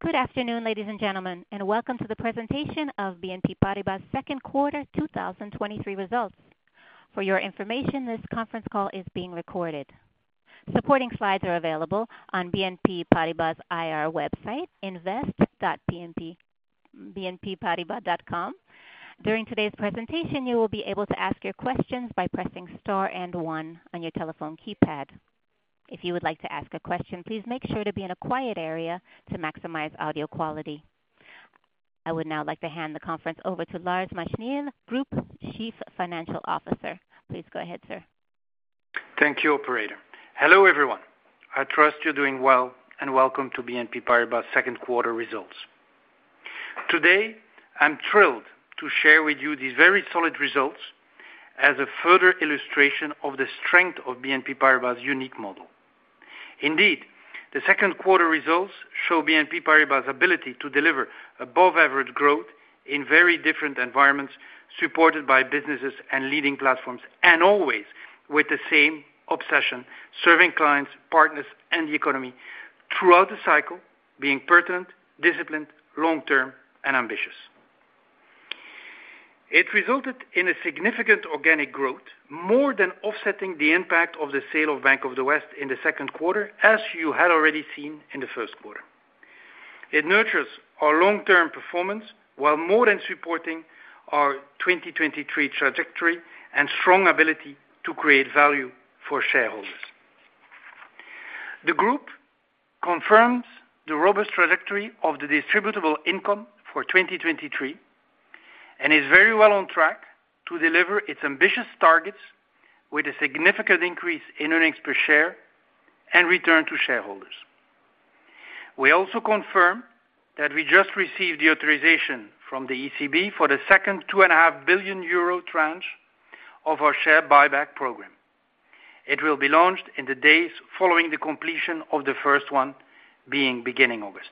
Good afternoon, ladies and gentlemen, and welcome to the presentation of BNP Paribas' second quarter 2023 results. For your information, this conference call is being recorded. Supporting slides are available on BNP Paribas' IR website, invest.bnpparibas.com. During today's presentation, you will be able to ask your questions by pressing Star and One on your telephone keypad. If you would like to ask a question, please make sure to be in a quiet area to maximize audio quality. I would now like to hand the conference over to Lars Machenil, Group Chief Financial Officer. Please go ahead, sir. Thank you, operator. Hello, everyone. I trust you're doing well, welcome to BNP Paribas second quarter results. Today, I'm thrilled to share with you these very solid results as a further illustration of the strength of BNP Paribas' unique model. Indeed, the second quarter results show BNP Paribas' ability to deliver above average growth in very different environments, supported by businesses and leading platforms, always with the same obsession, serving clients, partners, and the economy throughout the cycle, being pertinent, disciplined, long-term, and ambitious. It resulted in a significant organic growth, more than offsetting the impact of the sale of Bank of the West in the second quarter, as you had already seen in the first quarter. It nurtures our long-term performance, while more than supporting our 2023 trajectory and strong ability to create value for shareholders. The group confirms the robust trajectory of the distributable income for 2023, and is very well on track to deliver its ambitious targets with a significant increase in earnings per share and return to shareholders. We also confirm that we just received the authorization from the ECB for the second two and a half billion euro tranche of our share buyback program. It will be launched in the days following the completion of the first one, being beginning August.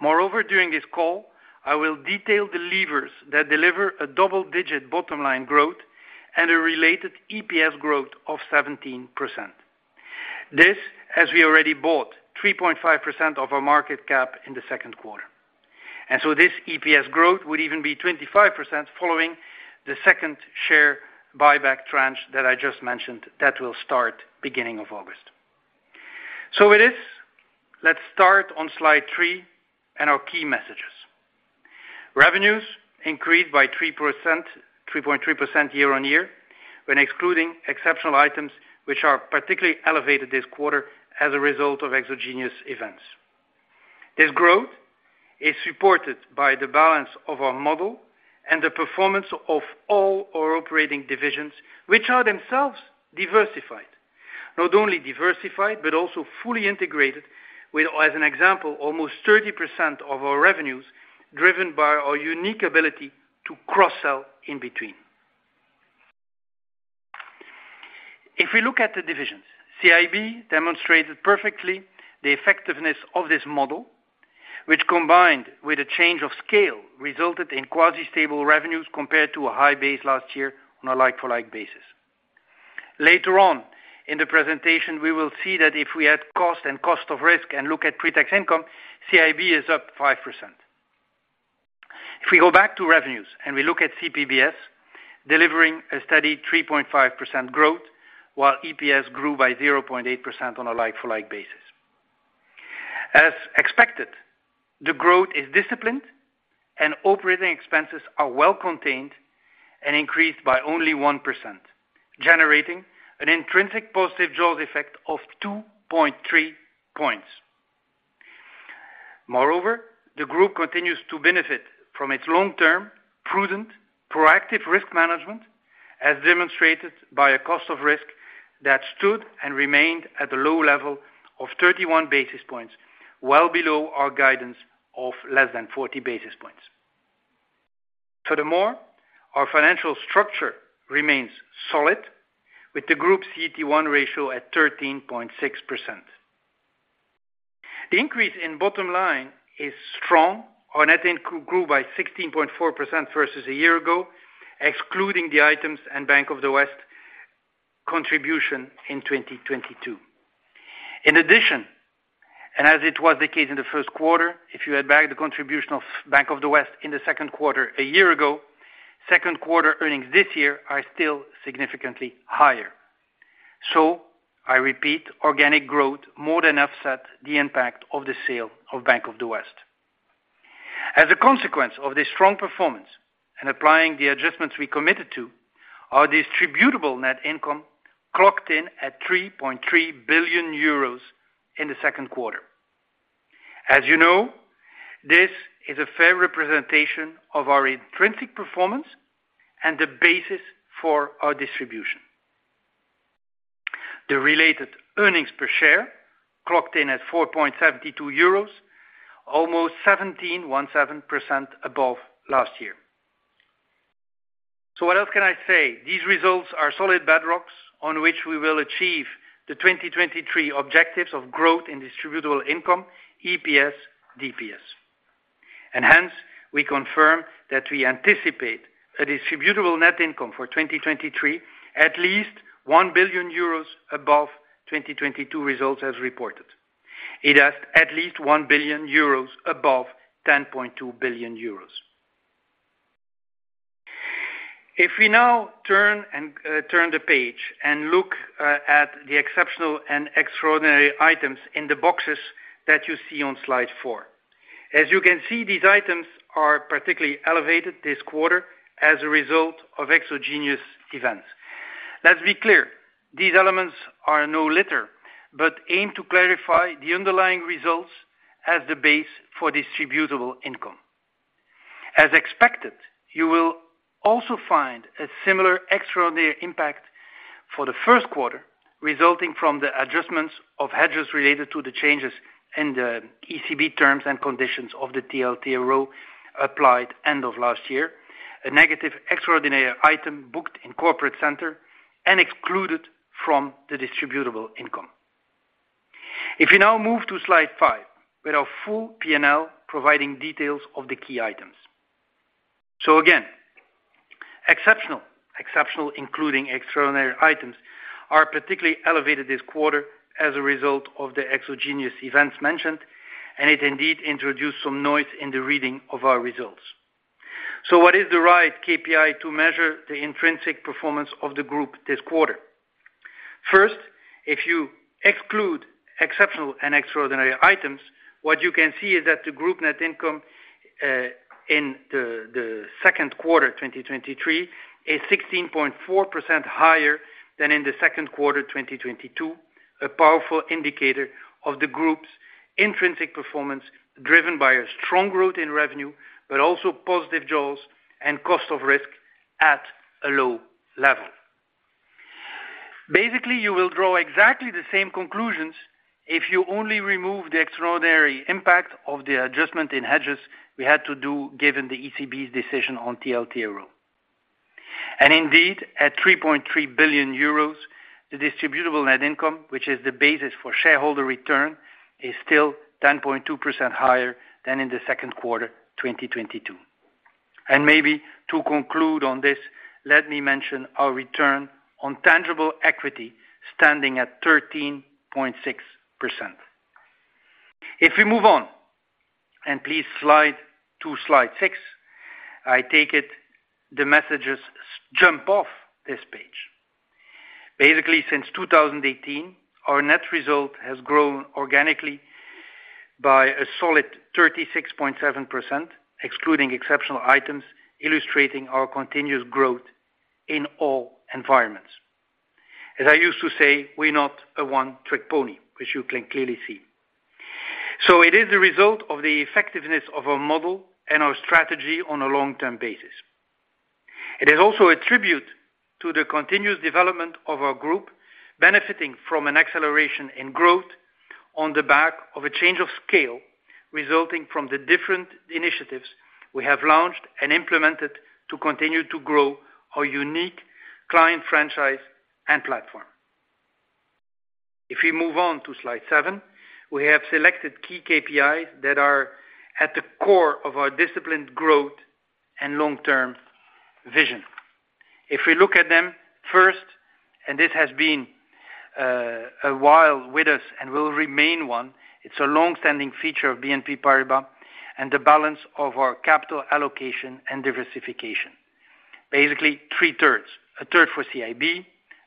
Moreover, during this call, I will detail the levers that deliver a double-digit bottom line growth and a related EPS growth of 17%. This, as we already bought 3.5% of our market cap in the second quarter. This EPS growth would even be 25% following the second share buyback tranche that I just mentioned, that will start beginning of August. It is, let's start on slide three and our key messages. Revenues increased by 3%, 3.3% year-on-year, when excluding exceptional items, which are particularly elevated this quarter as a result of exogenous events. This growth is supported by the balance of our model and the performance of all our operating divisions, which are themselves diversified. Not only diversified, but also fully integrated with, as an example, almost 30% of our revenues, driven by our unique ability to cross-sell in between. If we look at the divisions, CIB demonstrated perfectly the effectiveness of this model, which, combined with a change of scale, resulted in quasi-stable revenues compared to a high base last year on a like-for-like basis. Later on in the presentation, we will see that if we add cost and cost of risk and look at pre-tax income, CIB is up 5%. We go back to revenues and we look at CPBS, delivering a steady 3.5% growth, while EPS grew by 0.8% on a like-for-like basis. As expected, the growth is disciplined and operating expenses are well contained and increased by only 1%, generating an intrinsic positive jaws effect of 2.3 points. The group continues to benefit from its long-term, prudent, proactive risk management, as demonstrated by a cost of risk that stood and remained at the low level of 31 basis points, well below our guidance of less than 40 basis points. Our financial structure remains solid, with the group's CET1 ratio at 13.6%. The increase in bottom line is strong. Our net income grew by 16.4% versus a year ago, excluding the items and Bank of the West contribution in 2022. In addition, as it was the case in the first quarter, if you add back the contribution of Bank of the West in the second quarter a year ago, second quarter earnings this year are still significantly higher. I repeat, organic growth more than offset the impact of the sale of Bank of the West. As a consequence of this strong performance, applying the adjustments we committed to, our distributable net income clocked in at 3.3 billion euros in the second quarter. As you know, this is a fair representation of our intrinsic performance and the basis for our distribution. The related earnings per share clocked in at 4.72 euros, almost 17% above last year. So what else can I say? These results are solid bedrocks on which we will achieve the 2023 objectives of growth in distributable income, EPS, DPS. Hence, we confirm that we anticipate a distributable net income for 2023, at least 1 billion euros above 2022 results as reported. It has at least 1 billion euros above 10.2 billion euros. If we now turn the page and look at the exceptional and extraordinary items in the boxes that you see on slide four. As you can see, these items are particularly elevated this quarter as a result of exogenous events. Let's be clear, these elements are no litter, but aim to clarify the underlying results as the base for distributable income. As expected, you will also find a similar extraordinary impact for the 1st quarter, resulting from the adjustments of hedges related to the changes in the ECB terms and conditions of the TLTRO applied end of last year, a negative extraordinary item booked in corporate center and excluded from the distributable income. You now move to slide five, with our full P&L, providing details of the key items. Again, exceptional, including extraordinary items, are particularly elevated this quarter as a result of the exogenous events mentioned, and it indeed introduced some noise in the reading of our results. What is the right KPI to measure the intrinsic performance of the group this quarter? First, if you exclude exceptional and extraordinary items, what you can see is that the group net income in the, the second quarter, 2023, is 16.4% higher than in the second quarter, 2022, a powerful indicator of the group's intrinsic performance, driven by a strong growth in revenue, but also positive jaws and cost of risk at a low level. Basically, you will draw exactly the same conclusions if you only remove the extraordinary impact of the adjustment in hedges we had to do, given the ECB's decision on TLTRO. Indeed, at 3.3 billion euros, the distributable net income, which is the basis for shareholder return, is still 10.2% higher than in the second quarter, 2022. Maybe to conclude on this, let me mention our return on tangible equity standing at 13.6%. If we move on, and please slide to slide six, I take it the messages jump off this page. Basically, since 2018, our net result has grown organically by a solid 36.7%, excluding exceptional items, illustrating our continuous growth in all environments. As I used to say, we're not a one-trick pony, which you can clearly see. It is the result of the effectiveness of our model and our strategy on a long-term basis. It is also a tribute to the continuous development of our group, benefiting from an acceleration in growth on the back of a change of scale, resulting from the different initiatives we have launched and implemented to continue to grow our unique client franchise and platform. We move on to slide seven, we have selected key KPIs that are at the core of our disciplined growth and long-term vision. We look at them first, this has been a while with us and will remain one, it's a long-standing feature of BNP Paribas and the balance of our capital allocation and diversification. Basically, three-thirds, 1/3 for CIB,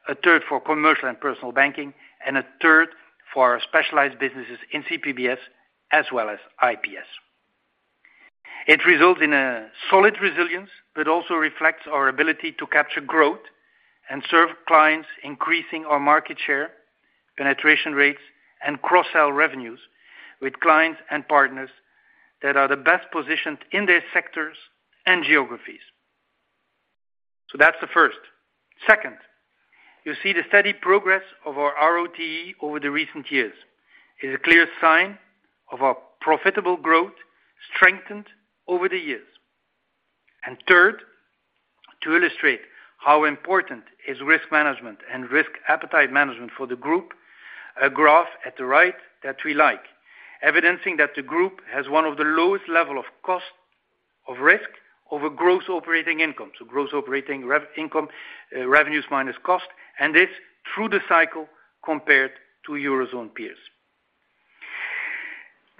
1/3 for commercial and personal banking, and 1/3 for our specialized businesses in CPBS as well as IPS. It results in a solid resilience, also reflects our ability to capture growth and serve clients, increasing our market share, penetration rates, and cross-sell revenues with clients and partners that are the best positioned in their sectors and geographies. That's the first. Second, you see the steady progress of our ROTE over the recent years. It's a clear sign of our profitable growth, strengthened over the years. Third, to illustrate how important is risk management and risk appetite management for the group, a graph at the right that we like, evidencing that the group has one of the lowest level of cost of risk over gross operating income. Gross operating income, revenues minus cost, this through the cycle compared to Eurozone peers.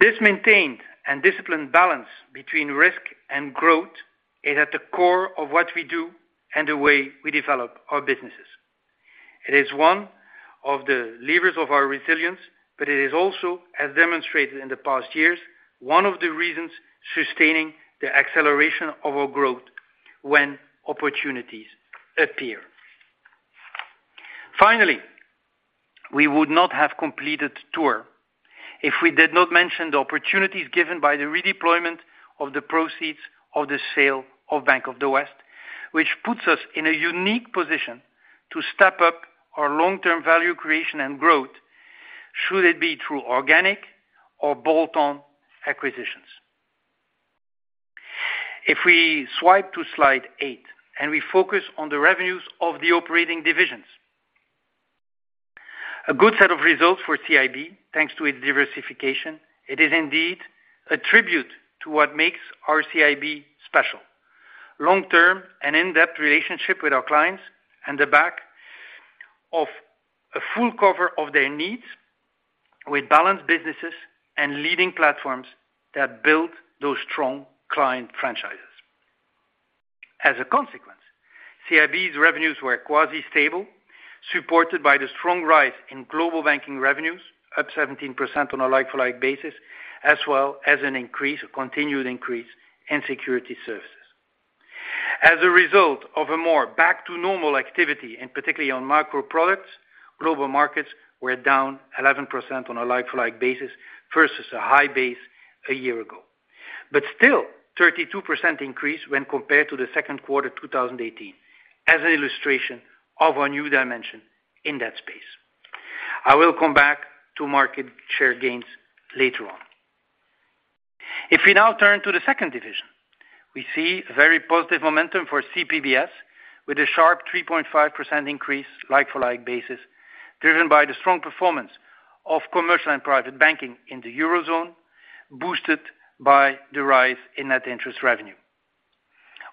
This maintained and disciplined balance between risk and growth is at the core of what we do and the way we develop our businesses. It is one of the levers of our resilience, it is also, as demonstrated in the past years, one of the reasons sustaining the acceleration of our growth when opportunities appear. Finally, we would not have completed our if we did not mention the opportunities given by the redeployment of the proceeds of the sale of Bank of the West, which puts us in a unique position to step up our long-term value creation and growth, should it be through organic or bolt-on acquisitions. If we swipe to slide eight, we focus on the revenues of the operating divisions. A good set of results for CIB, thanks to its diversification. It is indeed a tribute to what makes our CIB special. Long-term and in-depth relationship with our clients, and the back of a full cover of their needs with balanced businesses and leading platforms that build those strong client franchises. As a consequence, CIB's revenues were quasi-stable, supported by the strong rise in Global Banking revenues, up 17% on a like-for-like basis, as well as an increase, a continued increase in Securities Services. As a result of a more back to normal activity, and particularly on macro products, Global Markets were down 11% on a like-for-like basis, versus a high base a year ago. Still, 32% increase when compared to the 2Q 2018, as an illustration of our new dimension in that space. I will come back to market share gains later on. If we now turn to the second division, we see very positive momentum for CPBS, with a sharp 3.5% increase, like-for-like basis, driven by the strong performance of commercial and private banking in the Eurozone, boosted by the rise in Net Interest Revenue.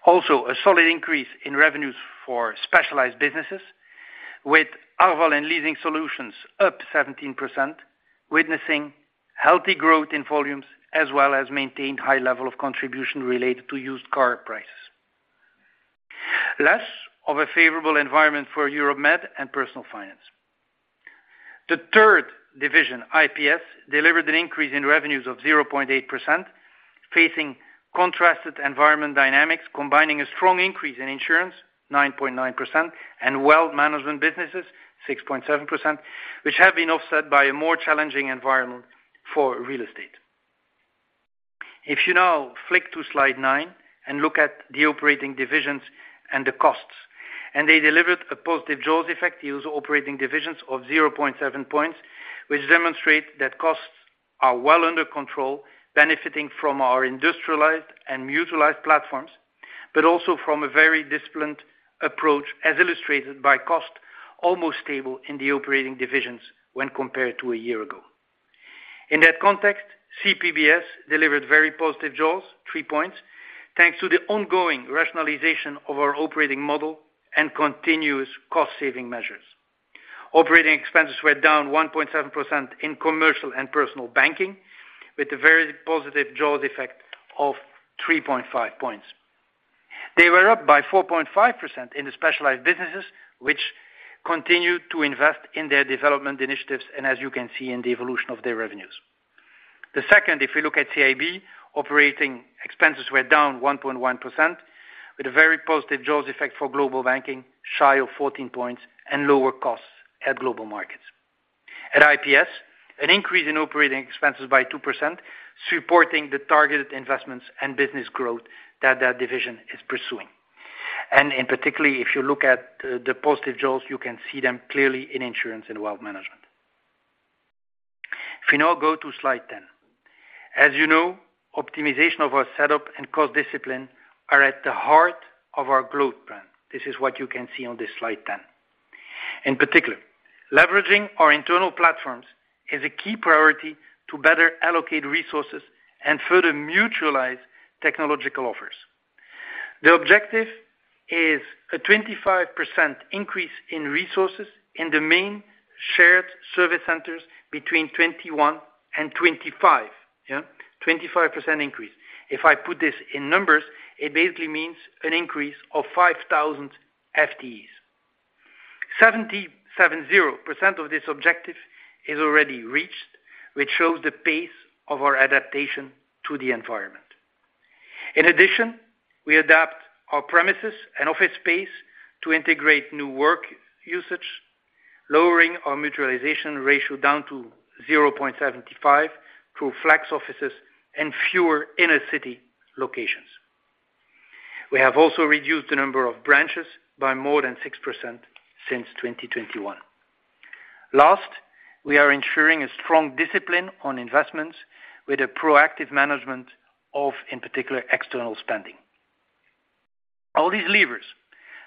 Also, a solid increase in revenues for specialized businesses, with Arval and leasing solutions up 17%, witnessing healthy growth in volumes, as well as maintained high level of contribution related to used car prices. Less of a favorable environment for Europe-Mediterranean and Personal Finance. The third division, IPS, delivered an increase in revenues of 0.8%, facing contrasted environment dynamics, combining a strong increase in insurance, 9.9%, and wealth management businesses, 6.7%, which have been offset by a more challenging environment for real estate. If you now flick to slide nine and look at the operating divisions and the costs, they delivered a positive JOLTS effect, the use of operating divisions of 0.7 points, which demonstrate that costs are well under control, benefiting from our industrialized and mutualized platforms, but also from a very disciplined approach, as illustrated by cost, almost stable in the operating divisions when compared to a year ago. In that context, CPBS delivered very positive JOLTS, 3 points, thanks to the ongoing rationalization of our operating model and continuous cost-saving measures. Operating expenses were down 1.7% in commercial and personal banking, with a very positive JOLTS effect of 3.5 points. They were up by 4.5% in the specialized businesses, which continued to invest in their development initiatives, as you can see in the evolution of their revenues. The second, if you look at CIB, operating expenses were down 1.1%, with a very positive JOLTS effect for Global Banking, shy of 14 points and lower costs at Global Markets. At IPS, an increase in operating expenses by 2%, supporting the targeted investments and business growth that division is pursuing. In particular, if you look at the positive JOLTS, you can see them clearly in insurance and wealth management. If you now go to slide 10. As you know, optimization of our setup and cost discipline are at the heart of our growth plan. This is what you can see on this slide 10. In particular, leveraging our internal platforms is a key priority to better allocate resources and further mutualize technological offers. The objective is a 25% increase in resources in the main shared service centers between 2021 and 2025. Yeah, 25% increase. If I put this in numbers, it basically means an increase of 5,000 FTEs. 70% of this objective is already reached, which shows the pace of our adaptation to the environment. In addition, we adapt our premises and office space to integrate new work usage, lowering our mutualization ratio down to 0.75 through flex offices and fewer inner-city locations. We have also reduced the number of branches by more than 6% since 2021. Last, we are ensuring a strong discipline on investments with a proactive management of, in particular, external spending. All these levers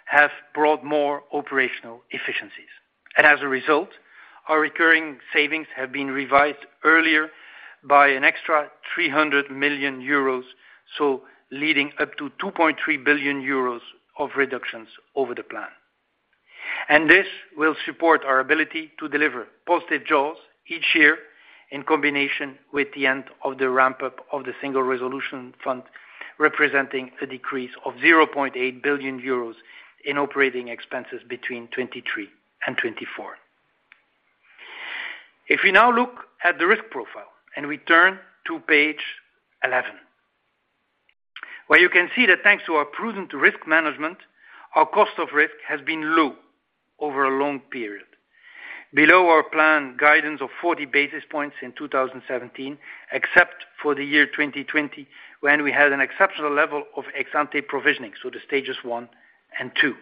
have brought more operational efficiencies. As a result, our recurring savings have been revised earlier by an extra 300 million euros, leading up to 2.3 billion euros of reductions over the plan. This will support our ability to deliver positive JOLs each year, in combination with the end of the ramp-up of the Single Resolution Fund, representing a decrease of 0.8 billion euros in operating expenses between 2023 and 2024. If we now look at the risk profile, we turn to page 11, where you can see that thanks to our prudent risk management, our cost of risk has been low over a long period. Below our plan, guidance of 40 basis points in 2017, except for the year 2020, when we had an exceptional level of ex-ante provisioning, so the stages one and two.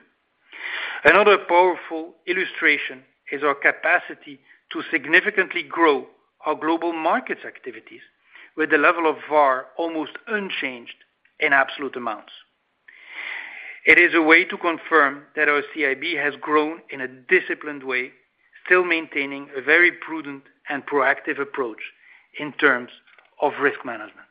Another powerful illustration is our capacity to significantly grow our Global Markets activities with the level of VaR almost unchanged in absolute amounts. It is a way to confirm that our CIB has grown in a disciplined way, still maintaining a very prudent and proactive approach in terms of risk management.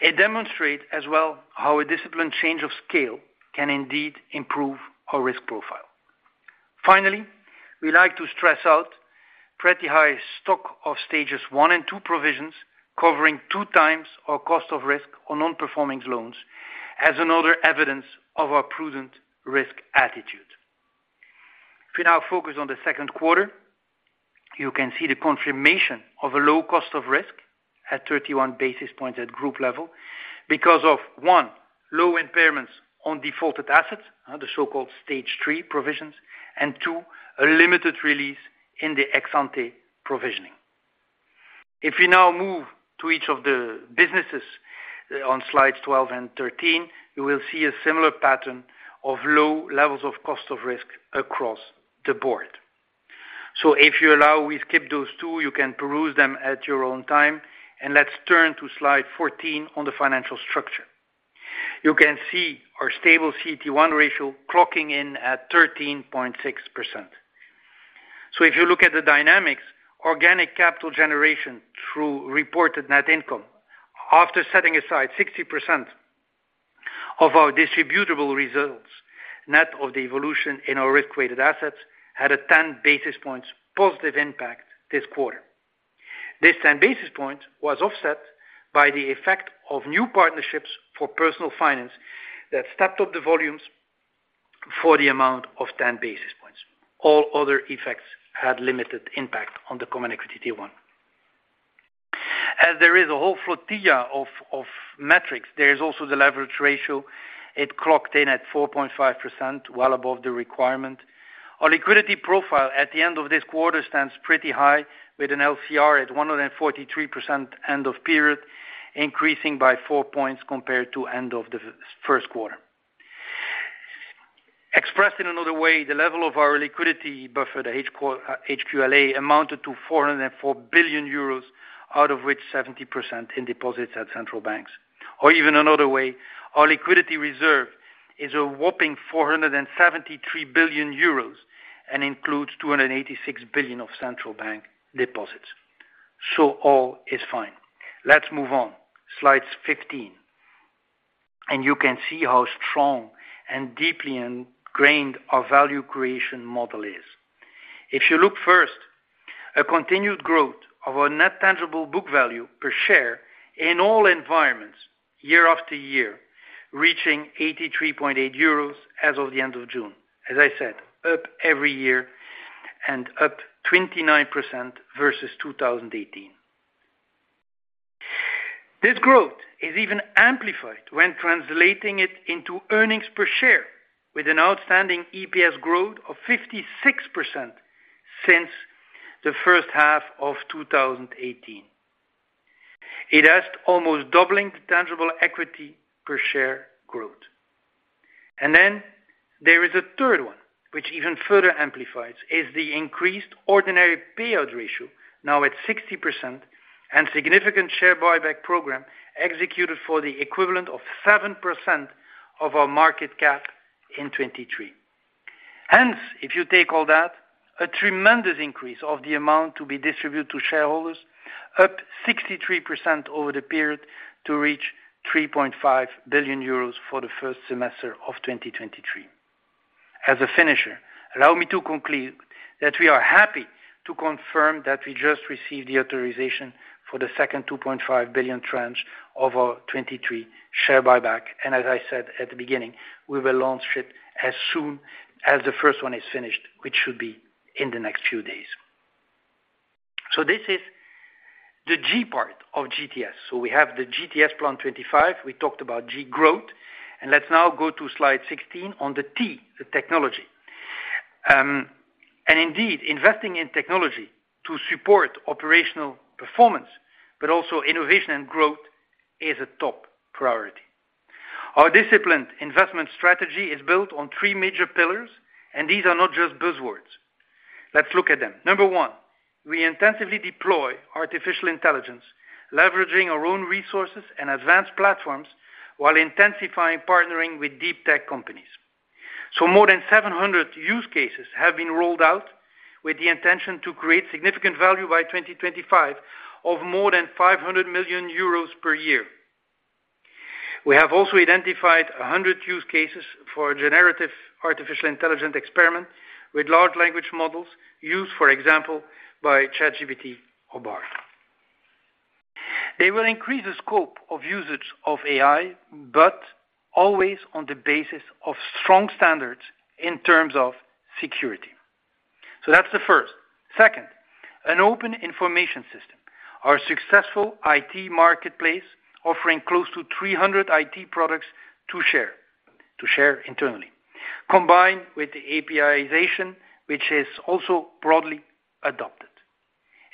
It demonstrate as well how a disciplined change of scale can indeed improve our risk profile. Finally, we like to stress out pretty high stock of stages one and two provisions, covering 2x our cost of risk on non-performing loans as another evidence of our prudent risk attitude. If we now focus on the second quarter, you can see the confirmation of a low cost of risk at 31 basis points at group level, because of, one, low impairments on defaulted assets, the so-called stage three provisions, and two, a limited release in the ex-ante provisioning. If we now move to each of the businesses on slides 12 and 13, you will see a similar pattern of low levels of cost of risk across the board. If you allow, we skip those two, you can peruse them at your own time, let's turn to slide 14 on the financial structure. You can see our stable CET1 ratio clocking in at 13.6%. If you look at the dynamics, organic capital generation through reported net income, after setting aside 60% of our distributable results, net of the evolution in our risk-weighted assets, had a 10 basis points positive impact this quarter. This 10 basis points was offset by the effect of new partnerships for Personal Finance that stepped up the volumes for the amount of 10 basis points. All other effects had limited impact on the Common Equity T1. There is a whole flotilla of metrics, there is also the leverage ratio. It clocked in at 4.5%, well above the requirement. Our liquidity profile at the end of this quarter stands pretty high, with an LCR at 143% end of period, increasing by 4 points compared to end of the first quarter. Expressed in another way, the level of our liquidity buffer, the HQLA, amounted to 404 billion euros, out of which 70% in deposits at central banks. Even another way, our liquidity reserve is a whopping 473 billion euros and includes 286 billion of central bank deposits. All is fine. Let's move on. Slides 15. You can see how strong and deeply ingrained our value creation model is. If you look first, a continued growth of our net tangible book value per share in all environments year after year, reaching 83.8 euros as of the end of June. As I said, up every year and up 29% versus 2018. This growth is even amplified when translating it into earnings per share, with an outstanding EPS growth of 56% since the first half of 2018. It has almost doubling the tangible equity per share growth. There is a third one, which even further amplifies, is the increased ordinary payout ratio, now at 60%, and significant share buyback program executed for the equivalent of 7% of our market cap in 2023. If you take all that, a tremendous increase of the amount to be distributed to shareholders, up 63% over the period to reach 3.5 billion euros for the first semester of 2023. As a finisher, allow me to conclude that we are happy to confirm that we just received the authorization for the second 2.5 billion tranche of our 2023 share buyback. As I said at the beginning, we will launch it as soon as the first one is finished, which should be in the next few days. This is the G part of GTS. We have the GTS plan 25. We talked about G, growth, and let's now go to slide 16 on the T, the technology. Indeed, investing in technology to support operational performance, but also innovation and growth is a top priority. Our disciplined investment strategy is built on three major pillars, and these are not just buzzwords. Let's look at them. Number one, we intensively deploy artificial intelligence, leveraging our own resources and advanced platforms, while intensifying partnering with deep tech companies. More than 700 use cases have been rolled out with the intention to create significant value by 2025 of more than 500 million euros per year. We have also identified 100 use cases for a generative artificial intelligence experiment with large language models used, for example, by ChatGPT or Bard. They will increase the scope of usage of AI, but always on the basis of strong standards in terms of security. That's the first. Second, an open information system. Our successful IT marketplace, offering close to 300 IT products to share internally, combined with the APIization, which is also broadly adopted.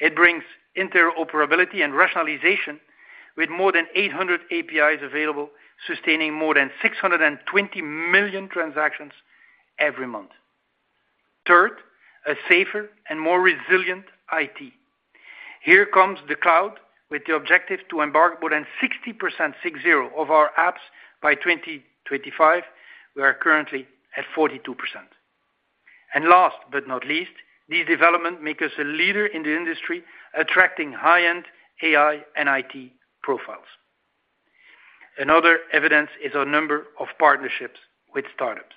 It brings interoperability and rationalization. With more than 800 APIs available, sustaining more than 620 million transactions every month. Third, a safer and more resilient IT. Here comes the cloud, with the objective to embark more than 60% of our apps by 2025. We are currently at 42%. Last but not least, these development make us a leader in the industry, attracting high-end AI and IT profiles. Another evidence is our number of partnerships with startups.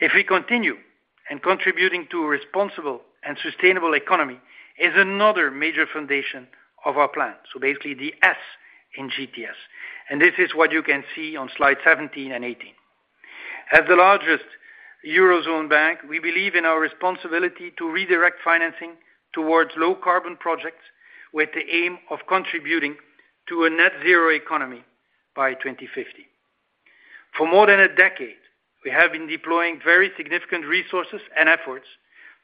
If we continue, contributing to a responsible and sustainable economy is another major foundation of our plan, so basically the S in GTS. This is what you can see on slide 17 and 18. As the largest Eurozone bank, we believe in our responsibility to redirect financing towards low-carbon projects, with the aim of contributing to a net zero economy by 2050. For more than a decade, we have been deploying very significant resources and efforts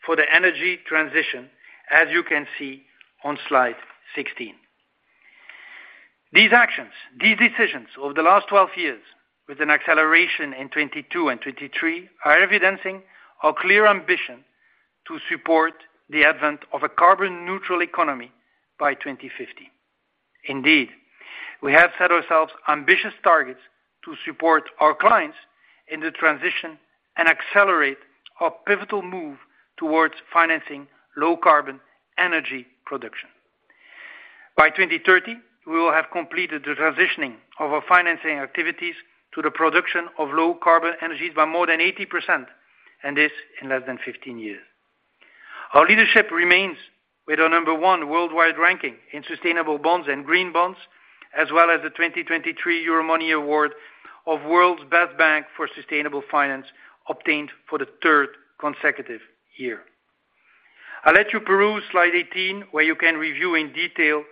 for the energy transition, as you can see on slide 16. These actions, these decisions over the last 12 years, with an acceleration in 2022 and 2023, are evidencing our clear ambition to support the advent of a carbon neutral economy by 2050. Indeed, we have set ourselves ambitious targets to support our clients in the transition and accelerate our pivotal move towards financing low-carbon energy production. By 2030, we will have completed the transitioning of our financing activities to the production of low-carbon energies by more than 80%, and this in less than 15 years. Our leadership remains with our number one worldwide ranking in sustainable bonds and green bonds, as well as the 2023 Euromoney Award of World's Best Bank for Sustainable Finance, obtained for the third consecutive year. I'll let you peruse slide 18, where you can review in detail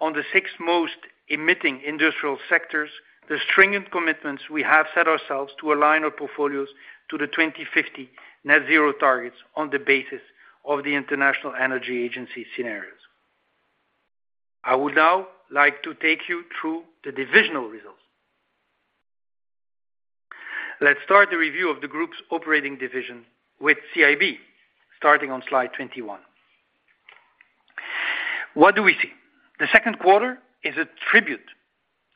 on the six most emitting industrial sectors, the stringent commitments we have set ourselves to align our portfolios to the 2050 net zero targets on the basis of the International Energy Agency scenarios. I would now like to take you through the divisional results. Let's start the review of the group's operating division with CIB, starting on slide 21. What do we see? The second quarter is a tribute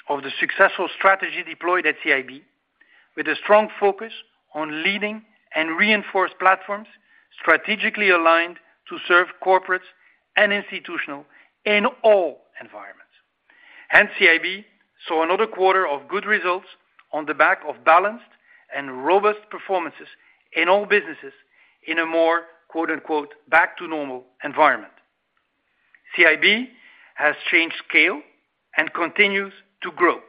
of the successful strategy deployed at CIB, with a strong focus on leading and reinforced platforms, strategically aligned to serve corporates and institutional in all environments. CIB saw another quarter of good results on the back of balanced and robust performances in all businesses, in a more, quote, unquote, "back to normal environment." CIB has changed scale and continues to grow.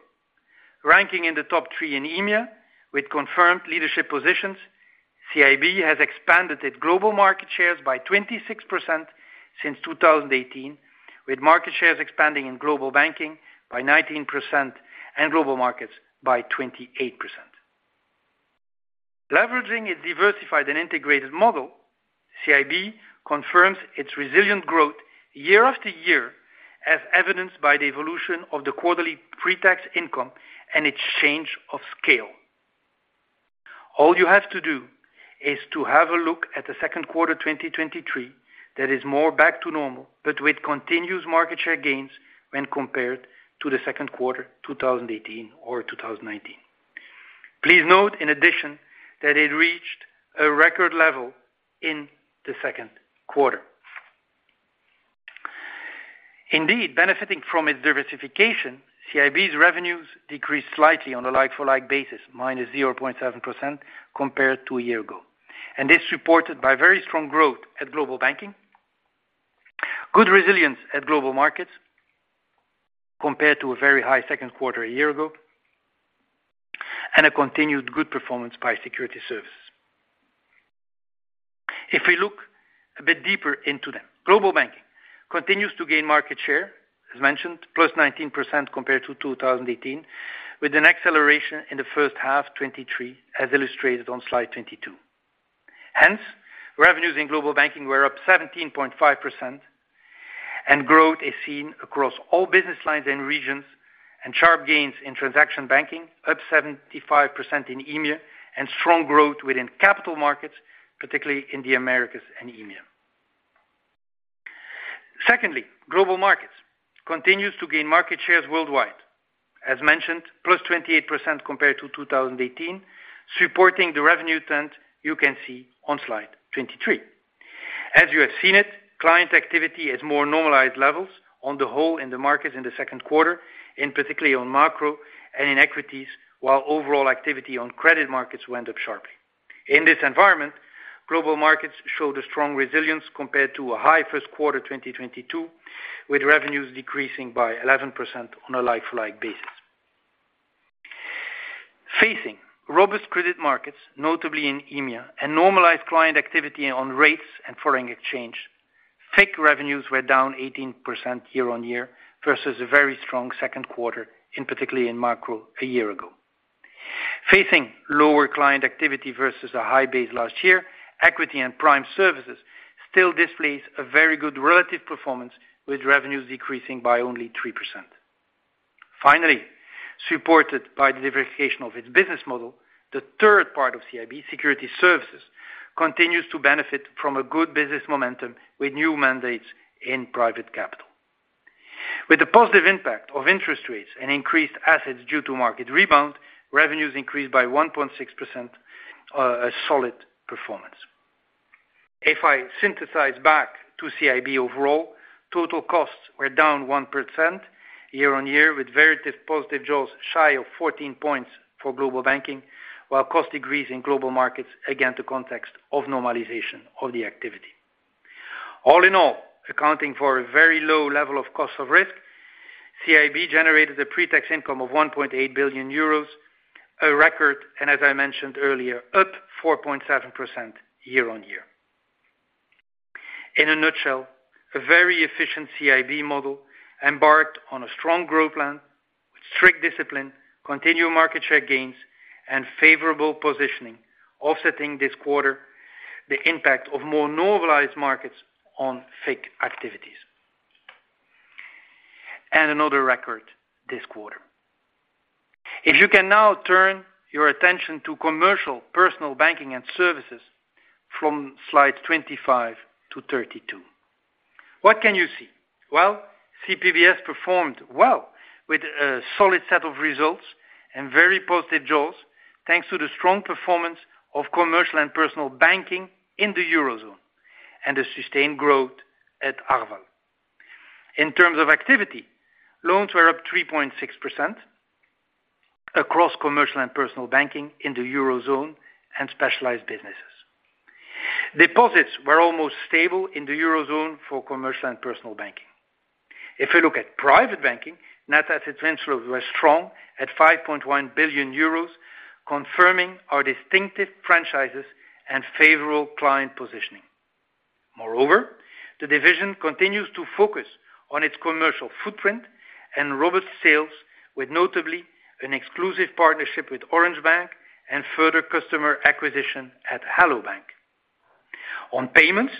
Ranking in the top three in EMEA, with confirmed leadership positions, CIB has expanded its global market shares by 26% since 2018, with market shares expanding in Global Banking by 19% and Global Markets by 28%. Leveraging its diversified and integrated model, CIB confirms its resilient growth year after year, as evidenced by the evolution of the quarterly pre-tax income and its change of scale. All you have to do is to have a look at the second quarter 2023, that is more back to normal, but with continuous market share gains when compared to the second quarter 2018 or 2019. Please note, in addition, that it reached a record level in the second quarter. Indeed, benefiting from its diversification, CIB's revenues decreased slightly on a like-for-like basis, -0.7%, compared to a year ago. This reported by very strong growth at Global Banking, good resilience at Global Markets compared to a very high second quarter a year ago, and a continued good performance by Securities Services. If we look a bit deeper into them, Global Banking continues to gain market share, as mentioned, +19% compared to 2018, with an acceleration in the first half 2023, as illustrated on Slide 22. Hence, revenues in Global Banking were up 17.5%. Growth is seen across all business lines and regions, and sharp gains in transaction banking, up 75% in EMEA, and strong growth within capital markets, particularly in the Americas and EMEA. Secondly, Global Markets continues to gain market shares worldwide. As mentioned, +28% compared to 2018, supporting the revenue trend you can see on slide 23. As you have seen it, client activity is more normalized levels on the whole in the markets in the second quarter, and particularly on macro and in equities, while overall activity on credit markets went up sharply. In this environment, Global Markets showed a strong resilience compared to a high first quarter 2022, with revenues decreasing by 11% on a like-to-like basis. Facing robust credit markets, notably in EMEA, and normalized client activity on rates and foreign exchange, FICC revenues were down 18% year-on-year, versus a very strong second quarter, in particularly in macro a year ago. facing lower client activity versus a high base last year, Equity and Prime Services still displays a very good relative performance, with revenues decreasing by only 3%. Finally, supported by the diversification of its business model, the third part of CIB, Securities Services, continues to benefit from a good business momentum with new mandates in private capital. With the positive impact of interest rates and increased assets due to market rebound, revenues increased by 1.6%, a solid performance. If I synthesize back to CIB overall, total costs were down 1% year-over-year, with very positive jaws shy of 14 points for Global Banking, while cost decrease in Global Markets, again, the context of normalization of the activity. All in all, accounting for a very low level of cost of risk, CIB generated a pre-tax income of 1.8 billion euros, a record, and as I mentioned earlier, up 4.7% year-on-year. In a nutshell, a very efficient CIB model embarked on a strong growth plan with strict discipline, continued market share gains, and favorable positioning, offsetting this quarter, the impact of more normalized markets on FICC activities. Another record this quarter. If you can now turn your attention to commercial personal banking and services from slide 25-32. What can you see? Well, CPBS performed well with a solid set of results and very positive jaws, thanks to the strong performance of commercial and personal banking in the Eurozone and the sustained growth at Arval. In terms of activity, loans were up 3.6% across commercial and personal banking in the Eurozone and specialized businesses. Deposits were almost stable in the Eurozone for commercial and personal banking. If you look at private banking, net asset ventures were strong at 5.1 billion euros, confirming our distinctive franchises and favorable client positioning. Moreover, the division continues to focus on its commercial footprint and robust sales, with notably an exclusive partnership with Orange Bank and further customer acquisition at Hello bank! On payments,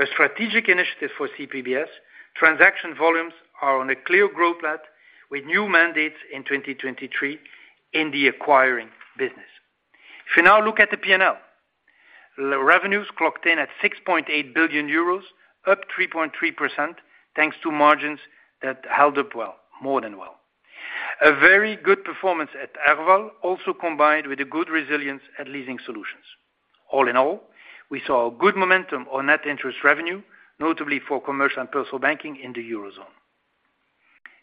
a strategic initiative for CPBS, transaction volumes are on a clear growth path with new mandates in 2023 in the acquiring business. If you now look at the P&L, revenues clocked in at 6.8 billion euros, up 3.3%, thanks to margins that held up well, more than well. A very good performance at Arval, also combined with a good resilience at leasing solutions. All in all, we saw good momentum on net interest revenue, notably for commercial and personal banking in the Eurozone.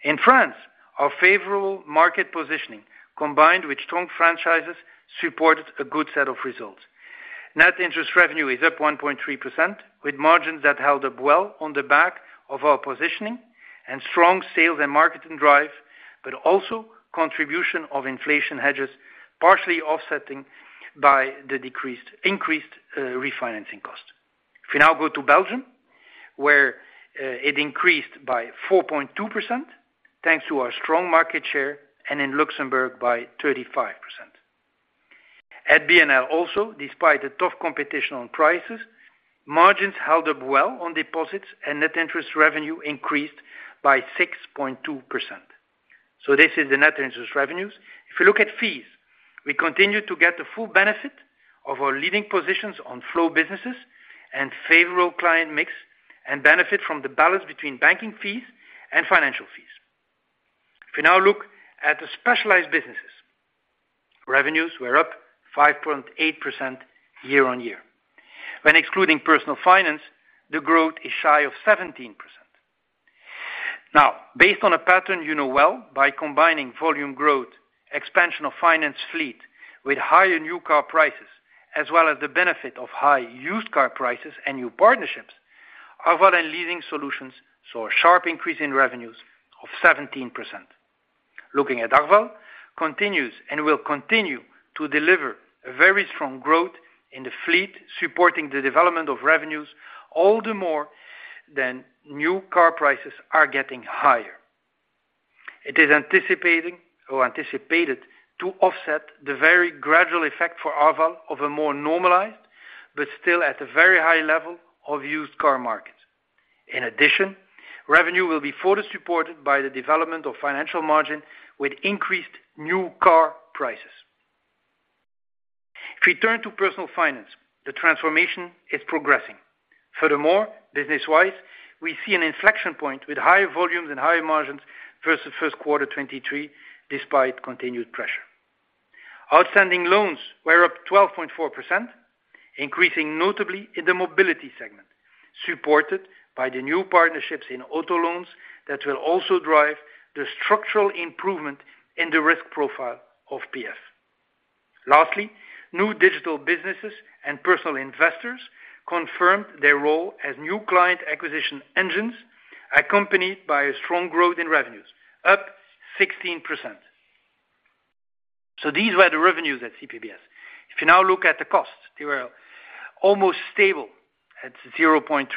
In France, our favorable market positioning, combined with strong franchises, supported a good set of results. Net interest revenue is up 1.3%, with margins that held up well on the back of our positioning and strong sales and marketing drive, but also contribution of inflation hedges, partially offsetting by the increased refinancing cost. If you now go to Belgium, where it increased by 4.2%, thanks to our strong market share, and in Luxembourg by 35%. At BNL also, despite the tough competition on prices, margins held up well on deposits, and net interest revenue increased by 6.2%. This is the net interest revenues. If you look at fees, we continue to get the full benefit of our leading positions on flow businesses and favorable client mix, and benefit from the balance between banking fees and financial fees. If you now look at the specialized businesses, revenues were up 5.8% year-on-year. When excluding Personal Finance, the growth is shy of 17%. Based on a pattern you know well, by combining volume growth, expansion of finance fleet with higher new car prices, as well as the benefit of high used car prices and new partnerships, Arval and leasing solutions saw a sharp increase in revenues of 17%. Looking at Arval, continues and will continue to deliver a very strong growth in the fleet, supporting the development of revenues, all the more than new car prices are getting higher. It is anticipating or anticipated to offset the very gradual effect for Arval of a more normalized, but still at a very high level, of used car market. In addition, revenue will be further supported by the development of financial margin with increased new car prices. If we turn to Personal Finance, the transformation is progressing. Furthermore, business-wise, we see an inflection point with higher volumes and higher margins versus first quarter 2023, despite continued pressure. Outstanding loans were up 12.4%, increasing notably in the mobility segment, supported by the new partnerships in auto loans that will also drive the structural improvement in the risk profile of PF. Lastly, new digital businesses and personal investors confirmed their role as new client acquisition engines, accompanied by a strong growth in revenues, up 16%. These were the revenues at CPBS. You now look at the costs, they were almost stable at 0.3%,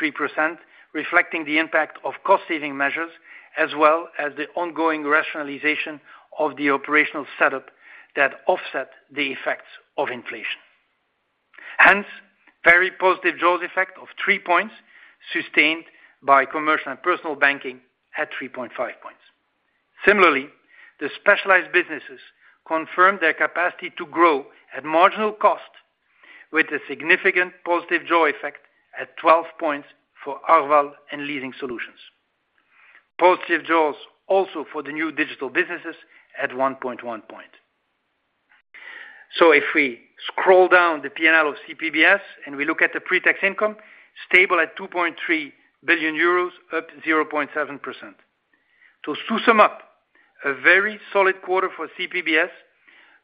reflecting the impact of cost-saving measures, as well as the ongoing rationalization of the operational setup that offset the effects of inflation. Very positive JOLTS effect of 3 points, sustained by commercial and personal banking at 3.5 points. Similarly, the specialized businesses confirmed their capacity to grow at marginal cost with a significant positive JOLTS effect at 12 points for Arval and leasing solutions. Positive JOLTS also for the new digital businesses at 1.1 points. If we scroll down the P&L of CPBS and we look at the pre-tax income, stable at 2.3 billion euros, up 0.7%. To sum up, a very solid quarter for CPBS,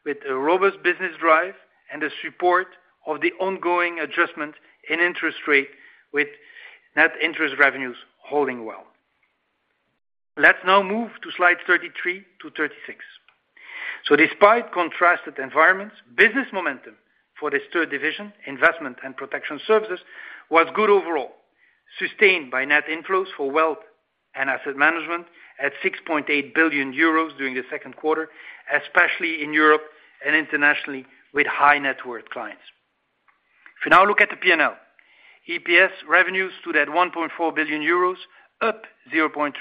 with a robust business drive and the support of the ongoing adjustment in interest rate, with Net Interest Revenues holding well. Let's now move to slide 33-36. Despite contrasted environments, business momentum for this third division, investment and protection services, was good overall, sustained by net inflows for wealth and asset management at 6.8 billion euros during the second quarter, especially in Europe and internationally with high net worth clients. If you now look at the P&L, EPS revenues stood at 1.4 billion euros, up 0.3%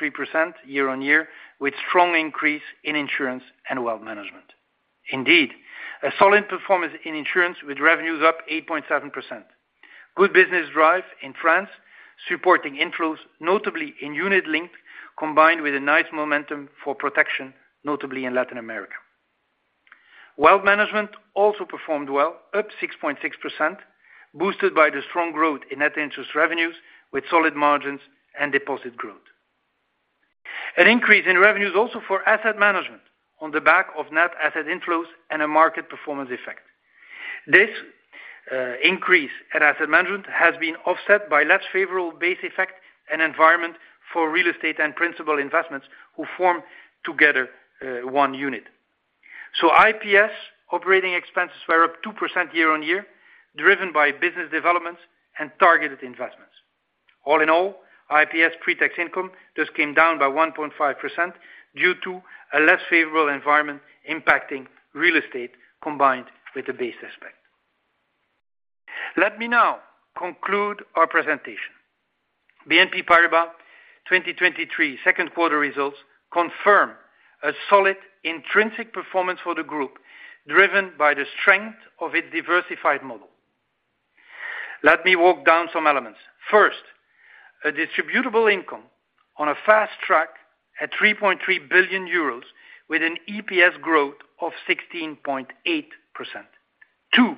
year-on-year, with strong increase in insurance and wealth management. Indeed, a solid performance in insurance, with revenues up 8.7%. Good business drive in France, supporting inflows, notably in unit-linked, combined with a nice momentum for protection, notably in Latin America. Wealth management also performed well, up 6.6%, boosted by the strong growth in net interest revenues with solid margins and deposit growth. An increase in revenues also for asset management on the back of net asset inflows and a market performance effect. This increase in asset management has been offset by less favorable base effect and environment for real estate and principal investments who form together one unit. IPS operating expenses were up 2% year-on-year, driven by business developments and targeted investments. All in all, IPS pre-tax income just came down by 1.5% due to a less favorable environment impacting real estate combined with the base aspect. Let me now conclude our presentation. BNP Paribas 2023 second quarter results confirm a solid intrinsic performance for the group, driven by the strength of its diversified model. Let me walk down some elements. First, a distributable income on a fast track at 3.3 billion euros, with an EPS growth of 16.8%. Two,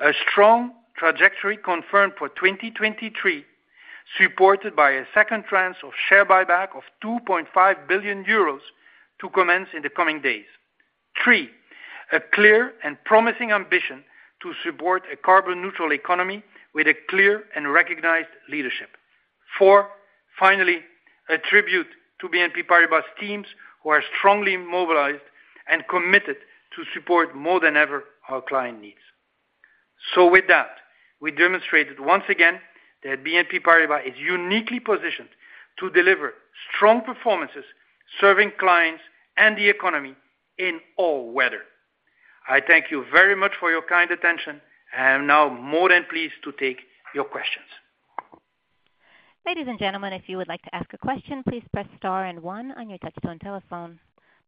a strong trajectory confirmed for 2023, supported by a second trance of share buyback of 2.5 billion euros to commence in the coming days. Three, a clear and promising ambition to support a carbon neutral economy with a clear and recognized leadership. Four, finally, a tribute to BNP Paribas teams, who are strongly mobilized and committed to support more than ever our client needs. With that, we demonstrated once again that BNP Paribas is uniquely positioned to deliver strong performances, serving clients and the economy in all weather. I thank you very much for your kind attention, and I'm now more than pleased to take your questions. Ladies and gentlemen, if you would like to ask a question, please press star and one on your touchtone telephone.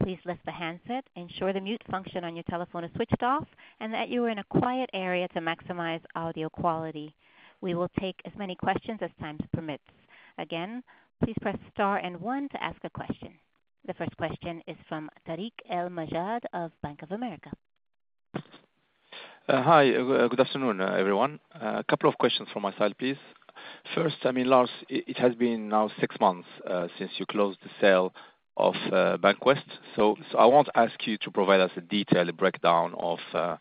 Please lift the handset, ensure the mute function on your telephone is switched off, and that you are in a quiet area to maximize audio quality. We will take as many questions as time permits. Again, please press star and one to ask a question. The first question is from Tarik El Mejjad of Bank of America. Hi, good afternoon, everyone. A couple of questions from my side, please. First, I mean, Lars, it has been now six months since you closed the sale of Bank of the West. I won't ask you to provide us a detailed breakdown of the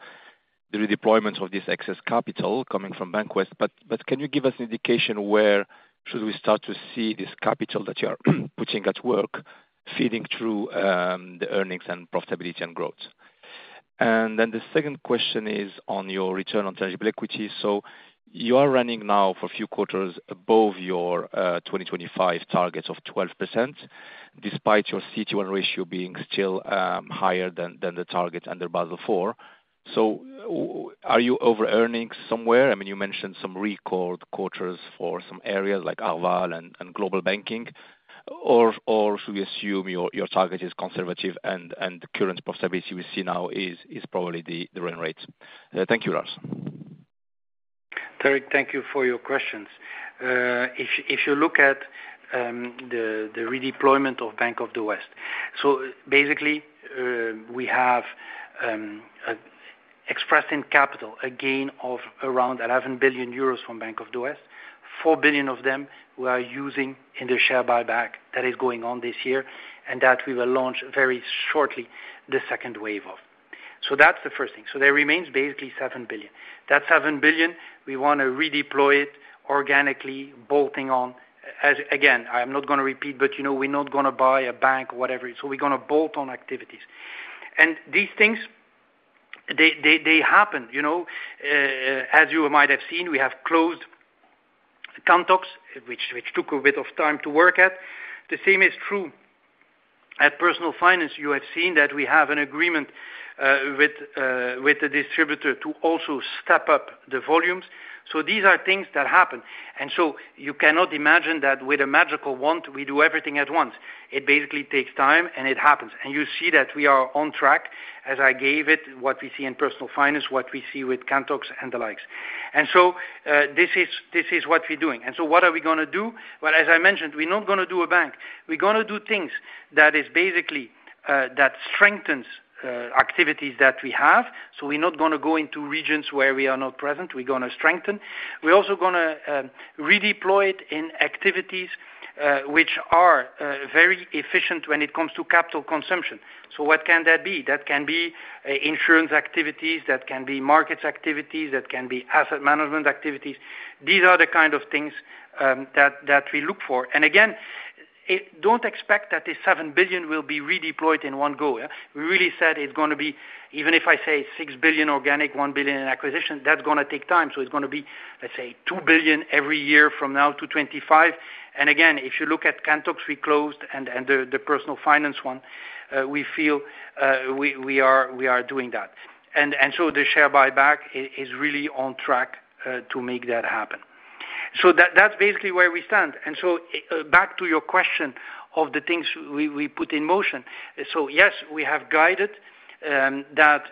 redeployment of this excess capital coming from Bank of the West, but can you give us an indication where should we start to see this capital that you are putting at work, feeding through the earnings and profitability and growth? The second question is on your return on tangible equity. You are running now for a few quarters above your 2025 targets of 12%, despite your CET1 ratio being still higher than the target under Basel IV. Are you overearning somewhere? I mean, you mentioned some record quarters for some areas like Arval and Global Banking, or should we assume your target is conservative and the current profitability we see now is probably the run rate? Thank you, Lars. Tarik, thank you for your questions. If you look at the redeployment of Bank of the West, basically, we have expressed in capital, a gain of around 11 billion euros from Bank of the West. 4 billion of them we are using in the share buyback that is going on this year, and that we will launch very shortly, the second wave of. That's the first thing. There remains basically 7 billion. That 7 billion, we wanna redeploy it organically, bolting on as again, I'm not gonna repeat, but you know, we're not gonna buy a bank, whatever, so we're gonna bolt-on activities. These things, they happen, you know, as you might have seen, we have closed Kantox, which took a bit of time to work at. The same is true at Personal Finance. You have seen that we have an agreement, with, with the distributor to also step up the volumes. These are things that happen. You cannot imagine that with a magical wand, we do everything at once. It basically takes time, and it happens. You see that we are on track, as I gave it, what we see in Personal Finance, what we see with Kantox and the likes. This is what we're doing. What are we gonna do? Well, as I mentioned, we're not gonna do a bank. We're gonna do things that is basically, that strengthens, activities that we have. We're not gonna go into regions where we are not present, we're gonna strengthen. We're also gonna redeploy it in activities which are very efficient when it comes to capital consumption. What can that be? That can be insurance activities, that can be markets activities, that can be asset management activities. These are the kind of things that we look for. Again, don't expect that the 7 billion will be redeployed in one go, yeah? We really said it's gonna be, even if I say 6 billion organic, 1 billion in acquisition, that's gonna take time. It's gonna be, let's say, 2 billion every year from now to 2025. Again, if you look at Kantox, we closed, the Personal Finance one, we feel we are doing that. The share buyback is really on track to make that happen. That's basically where we stand. Back to your question of the things we put in motion. Yes, we have guided that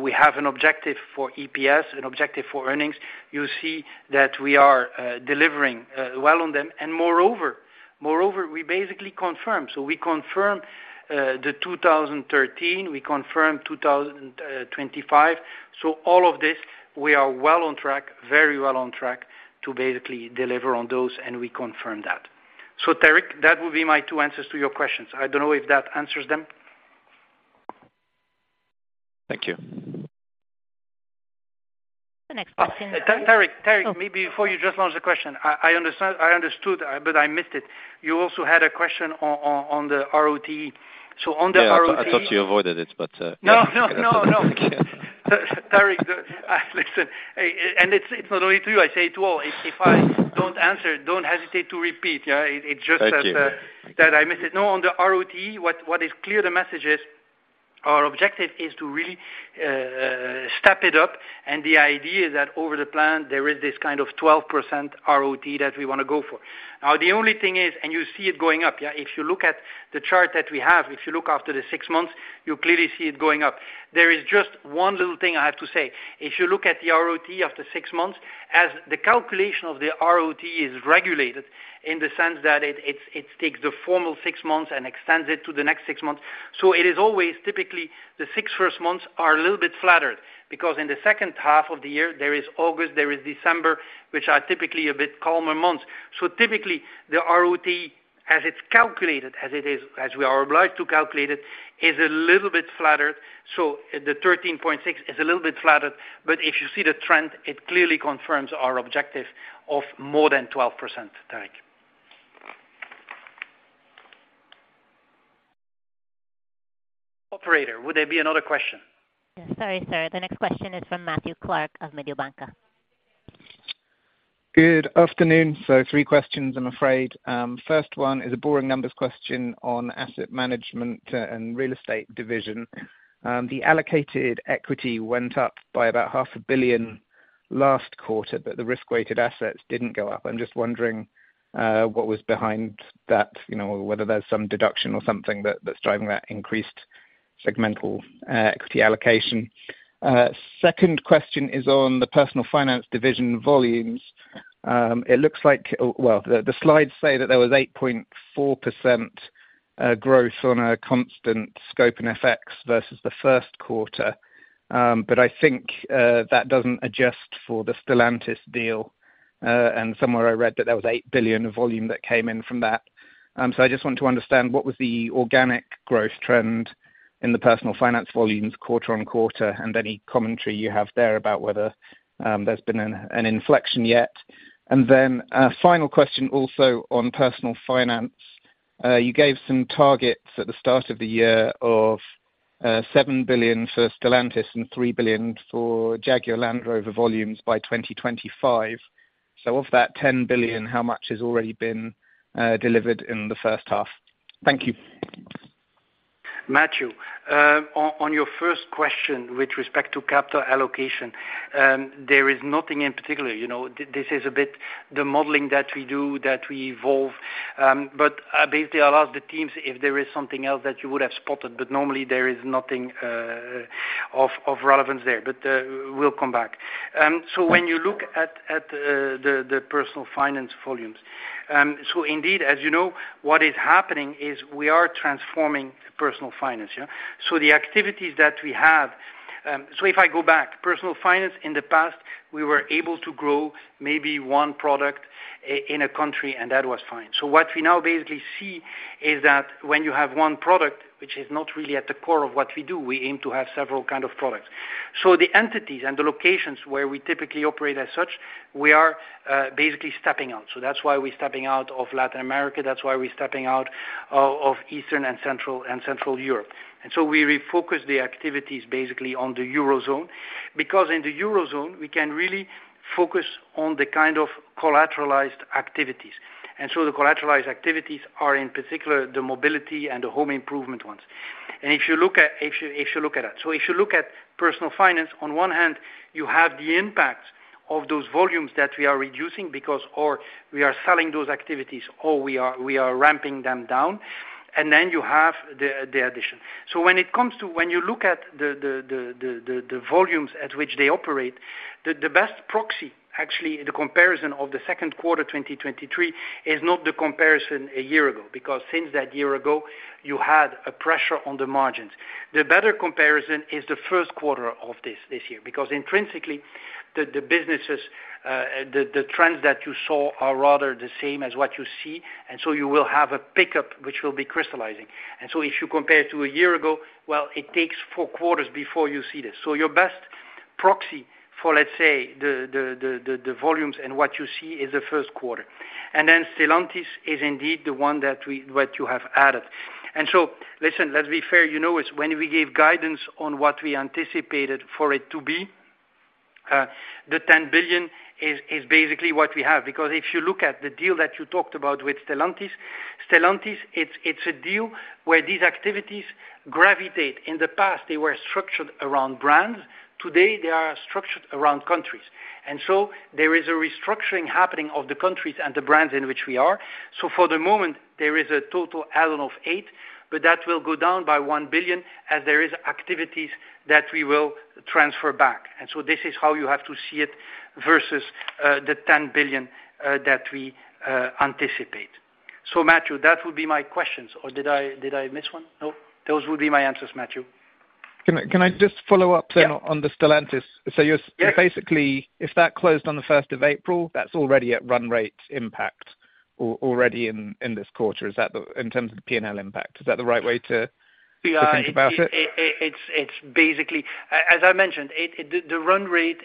we have an objective for EPS, an objective for earnings. You see that we are delivering well on them. Moreover, we basically confirm. We confirm the 2013, we confirm 2025. All of this, we are well on track, very well on track, to basically deliver on those, and we confirm that. Tarik, that would be my two answers to your questions. I don't know if that answers them. Thank you. The next question. Tarik, maybe before you just launch the question, I understand, I understood, but I missed it. You also had a question on the ROTE. Yeah, I thought you avoided it, but... No, no, no, no. Tarik, listen, hey, it's not only to you, I say it to all. If I don't answer, don't hesitate to repeat, yeah? Thank you. It's just that I missed it. On the ROTE, what is clear, the message is, our objective is to really step it up, and the idea that over the plan, there is this kind of 12% ROTE that we wanna go for. The only thing is, and you see it going up, yeah, if you look at the chart that we have, if you look after the six months, you clearly see it going up. There is just one little thing I have to say. If you look at the ROTE after six months, as the calculation of the ROTE is regulated, in the sense that it takes the formal six months and extends it to the next six months. It is always typically the six first months are a little bit flattered because in the second half of the year, there is August, there is December, which are typically a bit calmer months. Typically, the ROTE, as it is calculated, as it is, as we are obliged to calculate it, is a little bit flattered. The 13.6% is a little bit flattered, but if you see the trend, it clearly confirms our objective of more than 12%, Tarik. Operator, would there be another question? Yes. Sorry, sir. The next question is from Matthew Clark of Mediobanca. Good afternoon. Three questions, I'm afraid. First one is a boring numbers question on asset management and real estate division. The allocated equity went up by about 500 million last quarter, but the risk-weighted assets didn't go up. I'm just wondering what was behind that, you know, whether there's some deduction or something that, that's driving that increased segmental equity allocation? Second question is on the Personal Finance division volumes. It looks like well, the slides say that there was 8.4% growth on a constant scope and FX versus the first quarter. I think that doesn't adjust for the Stellantis deal, and somewhere I read that there was 8 billion of volume that came in from that. I just want to understand what was the organic growth trend in the Personal Finance volumes, quarter-on-quarter, and any commentary you have there about whether there's been an inflection yet? A final question also on Personal Finance. You gave some targets at the start of the year of 7 billion for Stellantis and 3 billion for Jaguar Land Rover volumes by 2025. Of that 10 billion, how much has already been delivered in the first half? Thank you. Matthew, on your first question, with respect to capital allocation, there is nothing in particular, you know, this is a bit the modeling that we do, that we evolve, but basically, I'll ask the teams if there is something else that you would have spotted, but normally there is nothing of relevance there. We'll come back. When you look at the Personal Finance volumes, indeed, as you know, what is happening is we are transforming Personal Finance. The activities that we have. If I go back, Personal Finance, in the past, we were able to grow maybe one product in a country, and that was fine. What we now basically see is that when you have one product, which is not really at the core of what we do, we aim to have several kind of products. The entities and the locations where we typically operate as such, we are basically stepping out. That's why we're stepping out of Latin America, that's why we're stepping out of Eastern and Central Europe. We refocus the activities basically on the Eurozone, because in the Eurozone, we can really focus on the kind of collateralized activities. The collateralized activities are, in particular, the mobility and the home improvement ones. If you look at that, so if you look at Personal Finance, on one hand, you have the impact of those volumes that we are reducing, because, or we are selling those activities, or we are ramping them down, and then you have the addition. When it comes to, when you look at the volumes at which they operate, the best proxy, actually, the comparison of the second quarter 2023, is not the comparison a year ago, because since that year ago, you had a pressure on the margins. The better comparison is the first quarter of this year, because intrinsically, the businesses, the trends that you saw are rather the same as what you see. You will have a pickup, which will be crystallizing. If you compare it to a year ago, well, it takes four quarters before you see this. Your best proxy for, let's say, the volumes and what you see is the first quarter. Then Stellantis is indeed the one that you have added. Listen, let's be fair, you know, it's when we gave guidance on what we anticipated for it to be, the 10 billion is, is basically what we have. If you look at the deal that you talked about with Stellantis, Stellantis, it's, it's a deal where these activities gravitate. In the past, they were structured around brands. Today, they are structured around countries. There is a restructuring happening of the countries and the brands in which we are. For the moment, there is a total add-on of 8 billion, but that will go down by 1 billion as there is activities that we will transfer back. This is how you have to see it versus the 10 billion that we anticipate. Matthew, that would be my questions, or did I miss one? No, those would be my answers, Matthew. Can I just follow up on the Stellantis? Yes. Basically, if that closed on the first of April, that's already at run rate impact already in, in this quarter. Is that the, in terms of the P&L impact, is that the right way to think about it? Yeah. It's basically, as I mentioned, the run rate,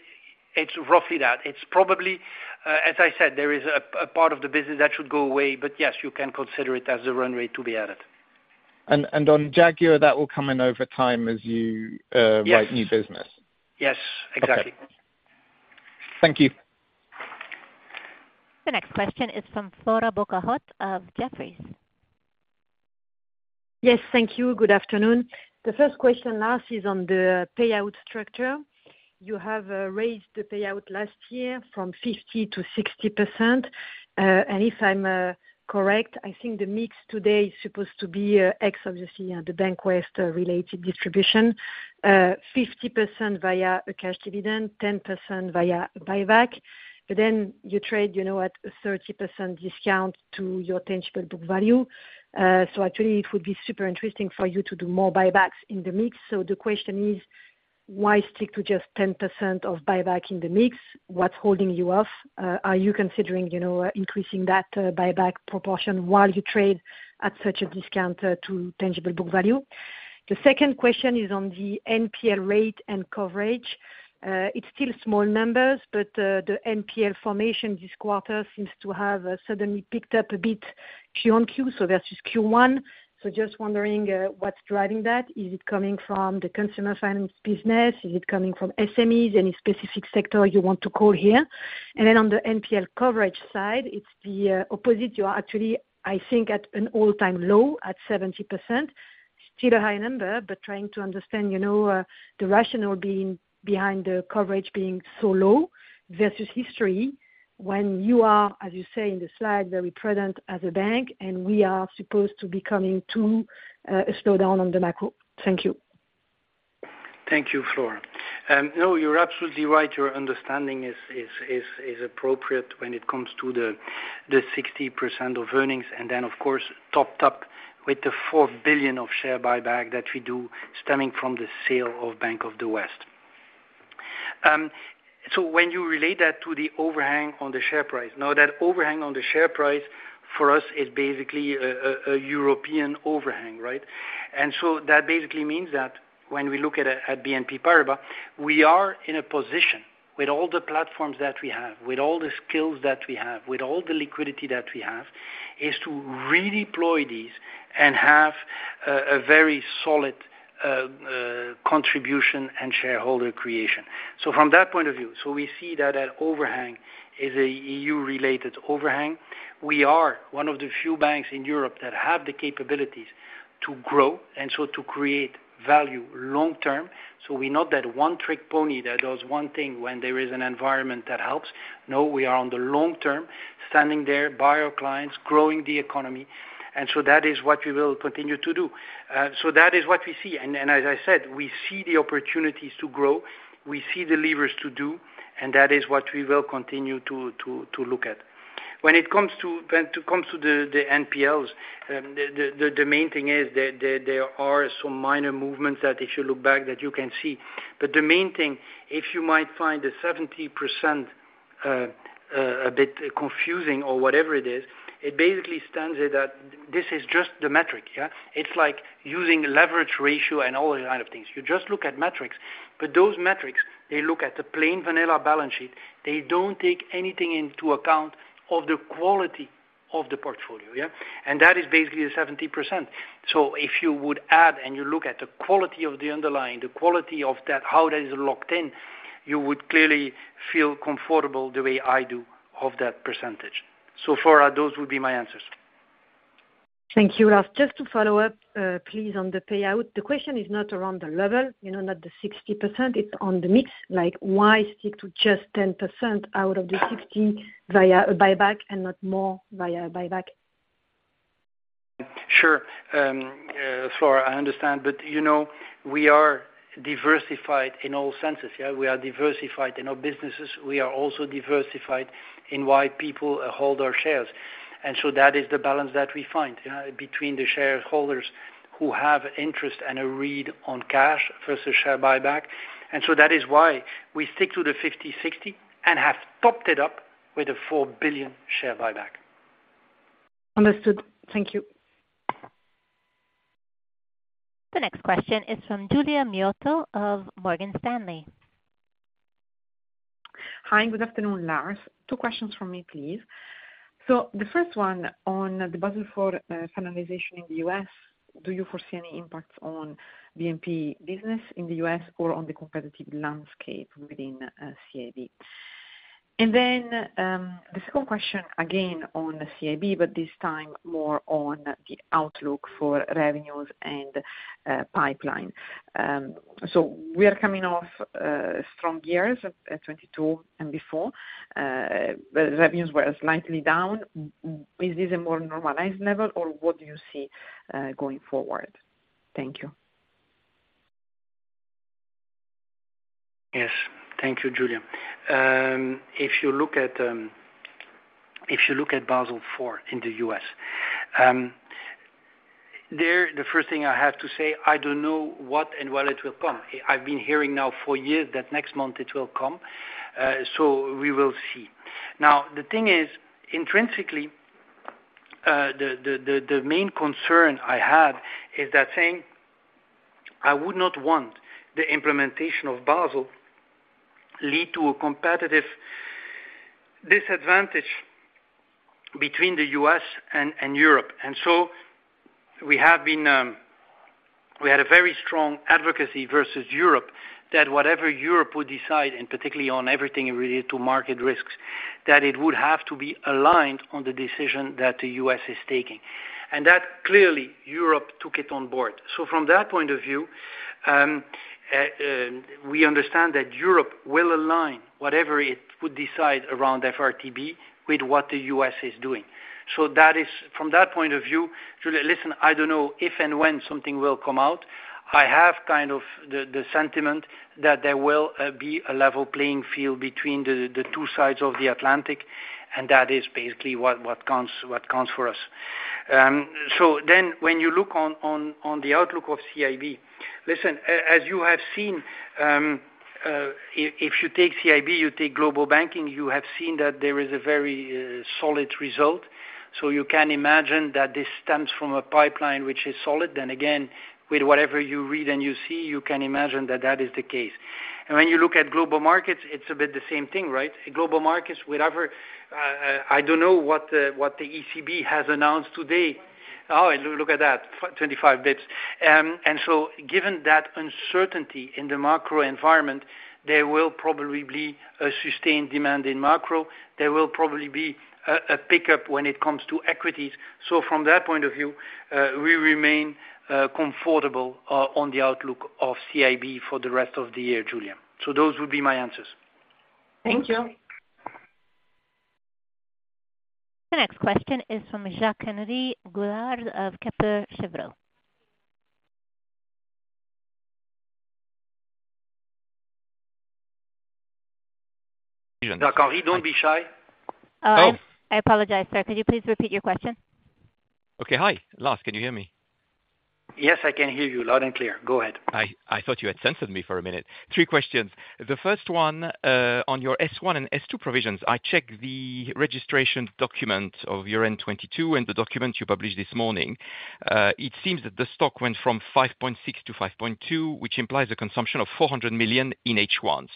it's roughly that. It's probably, as I said, there is a part of the business that should go away, but yes, you can consider it as a run rate to be added. On Jaguar, that will come in over time as you write new business. Yes. Yes, exactly. Thank you. The next question is from Flora Bocahut of Jefferies. Yes, thank you. Good afternoon. The first question asked is on the payout structure. You have raised the payout last year from 50% to 60%. And if I'm correct, I think the mix today is supposed to be X, obviously, the Bank of the West related distribution, 50% via a cash dividend, 10% via buyback. You trade, you know, at a 30% discount to your tangible book value. Actually, it would be super interesting for you to do more buybacks in the mix. The question is, why stick to just 10% of buyback in the mix? What's holding you off? Are you considering, you know, increasing that buyback proportion while you trade at such a discount to tangible book value? The second question is on the NPL rate and coverage. It's still small numbers, but the NPL formation this quarter seems to have suddenly picked up a bit QoQ. That's just Q1. Just wondering what's driving that? Is it coming from the consumer finance business? Is it coming from SMEs? Any specific sector you want to call here? On the NPL coverage side, it's the opposite. You are actually, I think, at an all-time low, at 70%. Still a high number, but trying to understand, you know, the rationale behind the coverage being so low versus history, when you are, as you say in the slide, very present as a bank, and we are supposed to be coming to a slowdown on the macro. Thank you. Thank you, Flora. No, you're absolutely right. Your understanding is appropriate when it comes to the 60% of earnings, of course, topped up with the 4 billion of share buyback that we do stemming from the sale of Bank of the West. When you relate that to the overhang on the share price, now, that overhang on the share price for us is basically a European overhang, right? That basically means that when we look at BNP Paribas, we are in a position with all the platforms that we have, with all the skills that we have, with all the liquidity that we have, is to redeploy these and have a very solid contribution and shareholder creation. From that point of view, we see that an EU-related overhang. We are one of the few banks in Europe that have the capabilities to grow, to create value long-term. We're not that one-trick pony that does one thing when there is an environment that helps. No, we are on the long term, standing there, by our clients, growing the economy. That is what we will continue to do. That is what we see. As I said, we see the opportunities to grow, we see the levers to do, and that is what we will continue to look at. When it comes to the NPLs, the main thing is that there are some minor movements that if you look back, that you can see. The main thing, if you might find the 70% a bit confusing or whatever it is, it basically stands at that this is just the metric, yeah? It's like using leverage ratio and all those kind of things. You just look at metrics, but those metrics, they look at the plain vanilla balance sheet. They don't take anything into account of the quality of the portfolio, yeah? That is basically the 70%. If you would add and you look at the quality of the underlying, the quality of that, how that is locked in, you would clearly feel comfortable the way I do of that percentage. Flora, those would be my answers. Thank you, Lars. Just to follow up, please, on the payout, the question is not around the level, you know, not the 60%, it's on the mix, like, why stick to just 10% out of the 60% via buyback and not more via buyback? Sure. Flora, I understand, but, you know, we are diversified in all senses, yeah? We are diversified in our businesses. We are also diversified in why people hold our shares. That is the balance that we find, yeah, between the shareholders who have interest and a read on cash versus share buyback. That is why we stick to the 50%-60% and have topped it up with a 4 billion share buyback. Understood. Thank you. The next question is from Giulia Miotto of Morgan Stanley. Hi, good afternoon, Lars. Two questions from me, please. The first one on the Basel IV finalization in the U.S., do you foresee any impacts on BNP business in the U.S. or on the competitive landscape within CIB? The second question, again, on the CIB, but this time more on the outlook for revenues and pipeline. We are coming off strong years, 2022 and before, but revenues were slightly down. Is this a more normalized level, or what do you see going forward? Thank you. Yes. Thank you, Julia. If you look at Basel IV in the U.S., there, the first thing I have to say, I don't know what and when it will come. I've been hearing now for years that next month it will come, so we will see. The thing is, intrinsically, the main concern I have is that saying I would not want the implementation of Basel lead to a competitive disadvantage between the U.S. and Europe. We had a very strong advocacy versus Europe, that whatever Europe would decide, and particularly on everything related to market risks, that it would have to be aligned on the decision that the U.S. is taking. That, clearly, Europe took it on board. From that point of view, we understand that Europe will align whatever it would decide around FRTB with what the U.S. is doing. That is, from that point of view, Giulia, listen, I don't know if and when something will come out. I have kind of the sentiment that there will be a level playing field between the two sides of the Atlantic, and that is basically what counts for us. When you look on the outlook of CIB, listen, as you have seen, if you take CIB, you take Global Banking, you have seen that there is a very solid result. You can imagine that this stems from a pipeline which is solid. Again, with whatever you read and you see, you can imagine that that is the case. When you look at Global Markets, it's a bit the same thing, right? Global Markets, whatever, I don't know what the ECB has announced today. Oh, look at that, 25 bits. Given that uncertainty in the macro environment, there will probably be a sustained demand in macro. There will probably be a pickup when it comes to equities. From that point of view, we remain comfortable on the outlook of CIB for the rest of the year, Giulia. Those would be my answers. Thank you. The next question is from Jacques-Henri Gaulard of Kepler Cheuvreux. Jacques-Henri, don't be shy. Oh, I apologize, sir. Could you please repeat your question? Okay. Hi, Lars, can you hear me? Yes, I can hear you loud and clear. Go ahead. I thought you had censored me for a minute. Three questions. The first one on your S1 and S2 provisions, I checked the registration document of year-end 2022 and the document you published this morning. It seems that the stock went from 5.6% to 5.2%, which implies a consumption of 400 million in H1.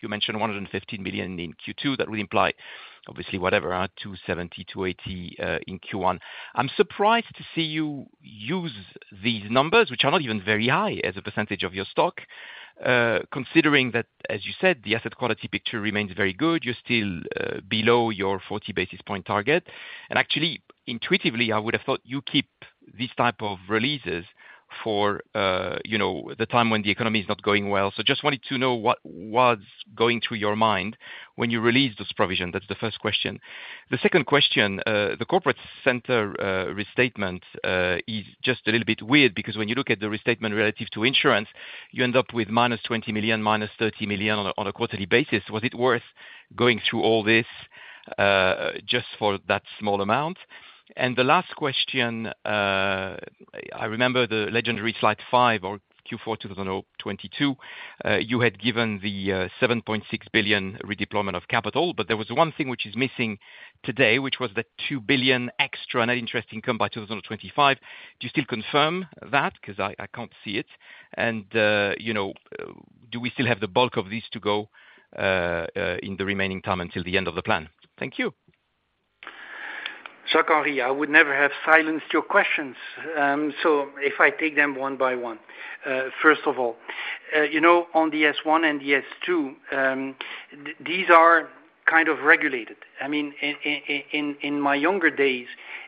You mentioned 115 million in Q2. That would imply, obviously, whatever, 270 million, 280 million, in Q1. I'm surprised to see you use these numbers, which are not even very high as a percentage of your stock, considering that, as you said, the asset quality picture remains very good, you're still below your 40 basis point target. Actually, intuitively, I would have thought you keep these type of releases for, you know, the time when the economy is not going well. Just wanted to know what was going through your mind when you released this provision? That's the first question. The second question, the corporate center restatement is just a little bit weird, because when you look at the restatement relative to insurance, you end up with -20 million, -30 million on a quarterly basis. Was it worth going through all this? Just for that small amount. The last question, I remember the legendary slide five or Q4 2022, you had given the 7.6 billion redeployment of capital, but there was one thing which is missing today, which was the 2 billion extra net interest income by 2025. Do you still confirm that? 'Cause I can't see it, you know, do we still have the bulk of this to go in the remaining time until the end of the plan? Thank you. Jacques-Henri, I would never have silenced your questions. If I take them one by one. First of all, you know, on the S1 and the S2, these are kind of regulated. I mean, in my younger days,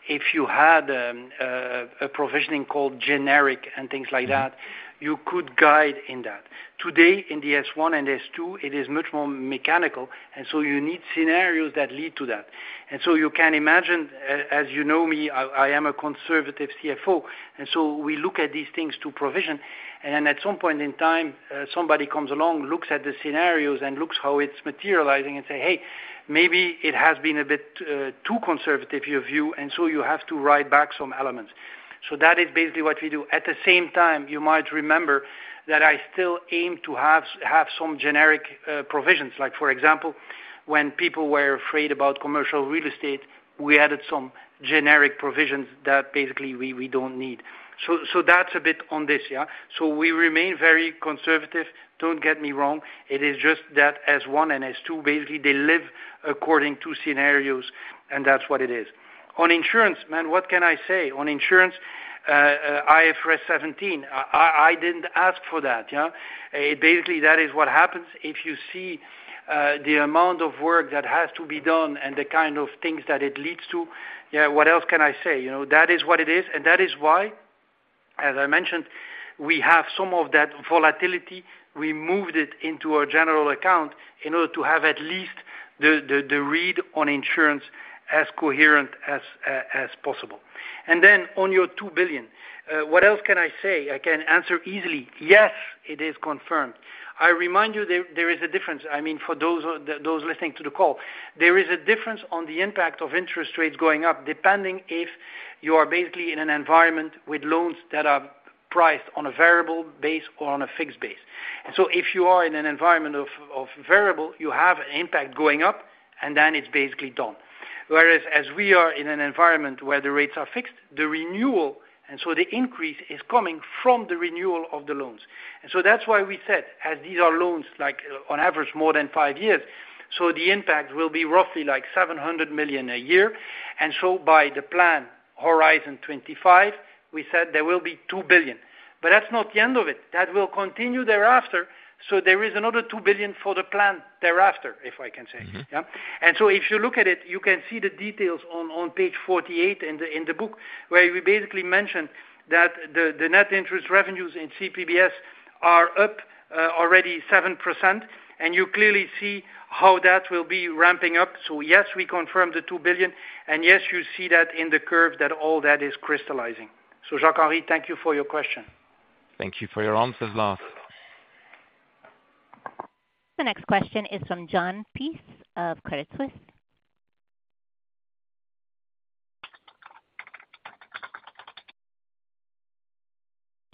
if you had a provisioning called generic and things like that, you could guide in that. Today, in the S1 and S2, it is much more mechanical, and so you need scenarios that lead to that. You can imagine, as you know me, I am a conservative CFO, and so we look at these things to provision, and at some point in time, somebody comes along, looks at the scenarios and looks how it's materializing and say, "Hey, maybe it has been a bit too conservative, your view, and so you have to write back some elements." That is basically what we do. At the same time, you might remember that I still aim to have some generic provisions. Like, for example, when people were afraid about commercial real estate, we added some generic provisions that basically we don't need. That's a bit on this, yeah? We remain very conservative, don't get me wrong. It is just that S1 and S2, basically, they live according to scenarios, and that's what it is. On insurance, man, what can I say? On insurance, IFRS 17, I didn't ask for that, yeah? Basically, that is what happens if you see the amount of work that has to be done and the kind of things that it leads to, yeah, what else can I say? You know, that is what it is, and that is why, as I mentioned, we have some of that volatility. We moved it into a general account in order to have at least the, the, the read on insurance as coherent as possible. On your 2 billion, what else can I say? I can answer easily, yes, it is confirmed. I remind you there is a difference, I mean, for those listening to the call. There is a difference on the impact of interest rates going up, depending if you are basically in an environment with loans that are priced on a variable base or on a fixed base. If you are in an environment of variable, you have an impact going up, and then it's basically done. Whereas as we are in an environment where the rates are fixed, the renewal, the increase is coming from the renewal of the loans. That's why we said, as these are loans, like on average, more than five years, so the impact will be roughly like 700 million a year. By the plan horizon 2025, we said there will be 2 billion. That's not the end of it, that will continue thereafter. There is another 2 billion for the plan thereafter, if I can say. Mm-hmm. Yeah. If you look at it, you can see the details on page 48 in the book, where we basically mention that the Net Interest Revenues in CPBS are up already 7%, and you clearly see how that will be ramping up. Yes, we confirm the 2 billion, yes, you see that in the curve that all that is crystallizing. Jacques-Henri, thank you for your question. Thank you for your answers, Lars. The next question is from Jon Peace of Credit Suisse.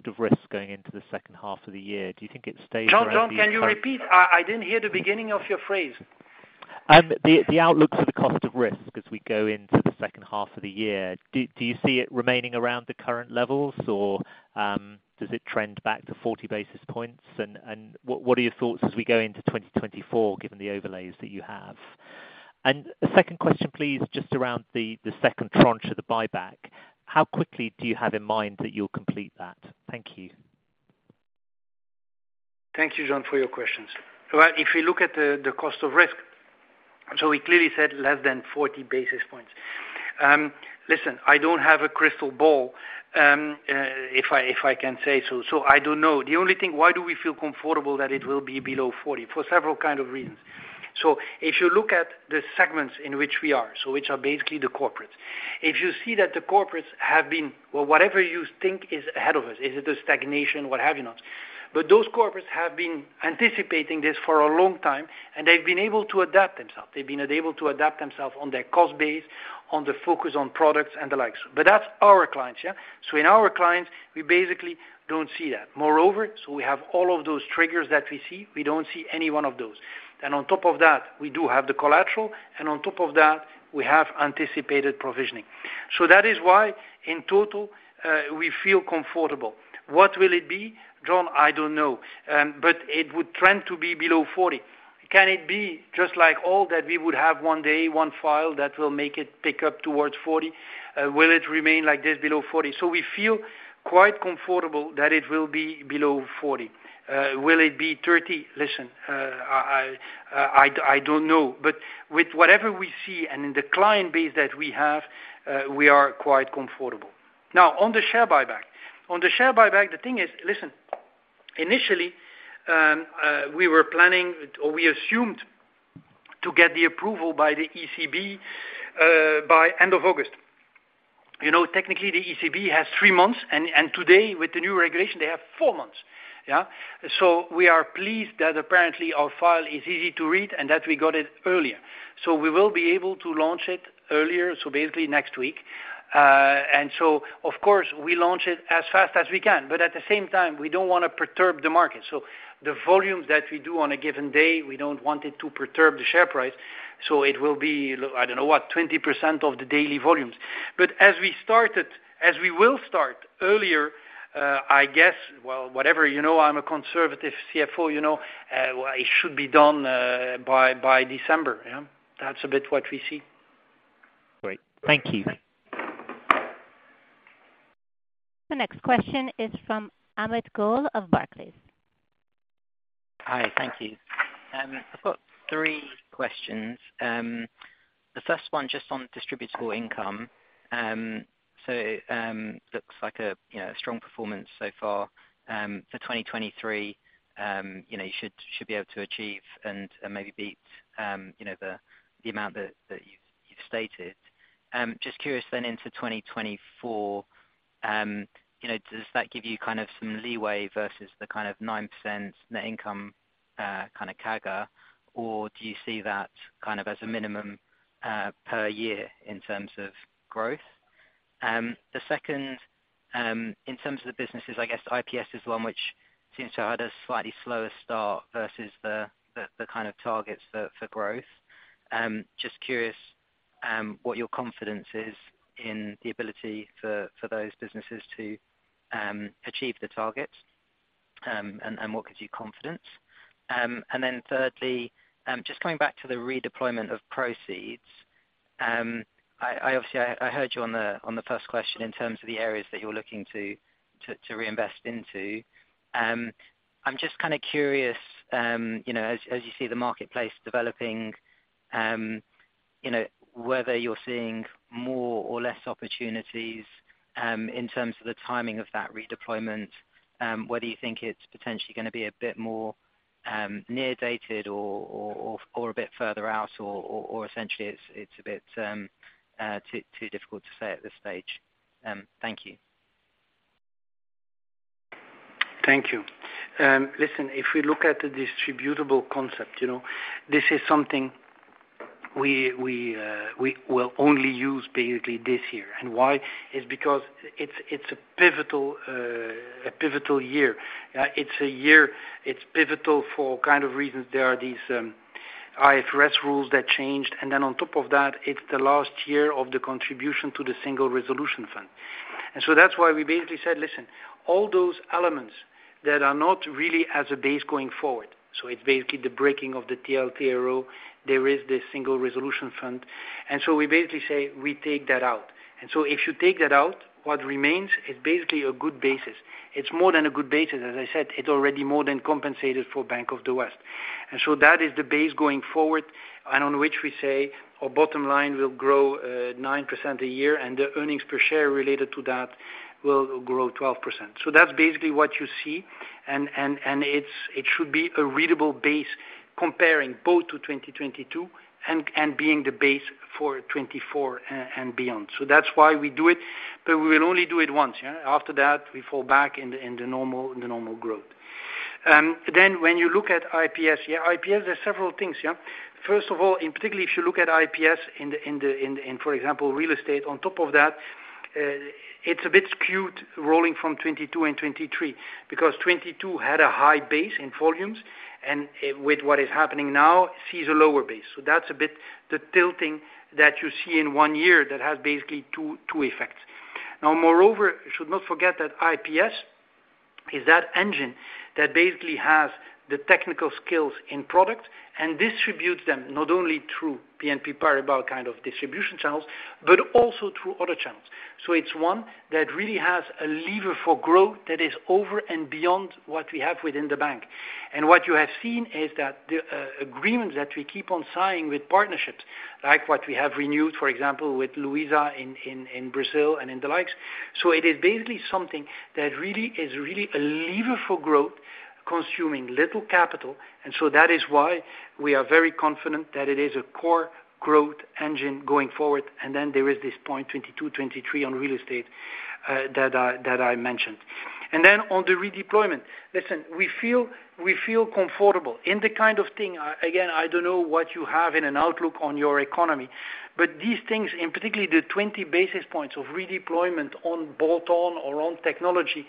Of risk going into the second half of the year. Do you think it stays? John, can you repeat? I didn't hear the beginning of your phrase. The outlook for the cost of risk as we go into the second half of the year, do you see it remaining around the current levels, or does it trend back to 40 basis points? What are your thoughts as we go into 2024, given the overlays that you have? A second question, please, just around the second tranche of the buyback. How quickly do you have in mind that you'll complete that? Thank you. Thank you, John, for your questions. If you look at the cost of risk, we clearly said less than 40 basis points. Listen, I don't have a crystal ball, if I can say so, I don't know. The only thing, why do we feel comfortable that it will be below 40 basis points? For several kind of reasons. If you look at the segments in which we are, which are basically the corporates, if you see that the corporates, whatever you think is ahead of us, is it a stagnation, what have you not? Those corporates have been anticipating this for a long time, and they've been able to adapt themselves. They've been able to adapt themselves on their cost base, on the focus on products and the like. That's our clients, yeah? In our clients, we basically don't see that. We have all of those triggers that we see, we don't see any one of those. On top of that, we do have the collateral, on top of that, we have anticipated provisioning. That is why, in total, we feel comfortable. What will it be, Jon? I don't know, it would trend to be below 40 basis points. Can it be just like all that we would have one day, one file, that will make it pick up towards 40 basis points? Will it remain like this, below 40 basis points? We feel quite comfortable that it will be below 40 basis points. Will it be 30 basis points? Listen, I don't know. With whatever we see and in the client base that we have, we are quite comfortable. On the share buyback. On the share buyback, the thing is, listen, initially, we were planning, or we assumed to get the approval by the ECB by end of August. You know, technically the ECB has three months, and today with the new regulation, they have four months. Yeah? We are pleased that apparently our file is easy to read and that we got it earlier. We will be able to launch it earlier, basically next week. Of course, we launch it as fast as we can, but at the same time, we don't want to perturb the market. The volumes that we do on a given day, we don't want it to perturb the share price, so it will be, I don't know, what, 20% of the daily volumes. As we started, as we will start earlier, I guess, well, whatever, you know, I'm a conservative CFO, you know, it should be done by December, yeah. That's a bit what we see. Great. Thank you. The next question is from Amit Goel of Barclays. Hi, thank you. I've got three questions. The first one, just on distributable income. Looks like a, you know, a strong performance so far. For 2023, you know, you should be able to achieve and maybe beat, you know, the amount that you've stated. Just curious then into 2024, you know, does that give you kind of some leeway versus the kind of 9% net income, kind of CAGR, or do you see that kind of as a minimum per year in terms of growth? The second, in terms of the businesses, I guess IPS is one which seems to have had a slightly slower start versus the kind of targets for growth. Just curious, what your confidence is in the ability for those businesses to achieve the targets, and what gives you confidence? Then thirdly, just coming back to the redeployment of proceeds, I obviously heard you on the first question in terms of the areas that you're looking to reinvest into. I'm just kind of curious, you know, as you see the marketplace developing, you know, whether you're seeing more or less opportunities, in terms of the timing of that redeployment, whether you think it's potentially gonna be a bit more near dated or a bit further out, or essentially it's a bit too difficult to say at this stage. Thank you. Thank you. Listen, if we look at the distributable concept, you know, this is something we will only use basically this year. Why? Is because it's a pivotal year. It's a year, it's pivotal for kind of reasons there are these IFRS rules that changed, and then on top of that, it's the last year of the contribution to the Single Resolution Fund. That's why we basically said, listen, all those elements that are not really as a base going forward, so it's basically the breaking of the TLTRO, there is this Single Resolution Fund. We basically say, we take that out. If you take that out, what remains is basically a good basis. It's more than a good basis. As I said, it's already more than compensated for Bank of the West. That is the base going forward, and on which we say our bottom line will grow 9% a year, and the earnings per share related to that will grow 12%. That's basically what you see, and it's, it should be a readable base comparing both to 2022, and being the base for 2024 and beyond. That's why we do it, but we will only do it once, yeah? After that, we fall back in the normal growth. When you look at IPS, yeah, IPS, there's several things, yeah? First of all, in particularly if you look at IPS in, for example, real estate on top of that, it's a bit skewed rolling from 2022 and 2023, because 2022 had a high base in volumes, and with what is happening now, sees a lower base. That's a bit the tilting that you see in one year that has basically two effects. Moreover, you should not forget that IPS is that engine that basically has the technical skills in product and distributes them, not only through BNP Paribas kind of distribution channels, but also through other channels. It's one that really has a lever for growth that is over and beyond what we have within the bank. What you have seen is that the agreements that we keep on signing with partnerships, like what we have renewed, for example, with Luiza in Brazil and in the likes. It is basically something that is really a lever for growth, consuming little capital, and so that is why we are very confident that it is a core growth engine going forward. There is this point 2022, 2023 on real estate that I mentioned. On the redeployment, listen, we feel comfortable in the kind of thing... I don't know what you have in an outlook on your economy, but these things, and particularly the 20 basis points of redeployment on bolt-on or on technology,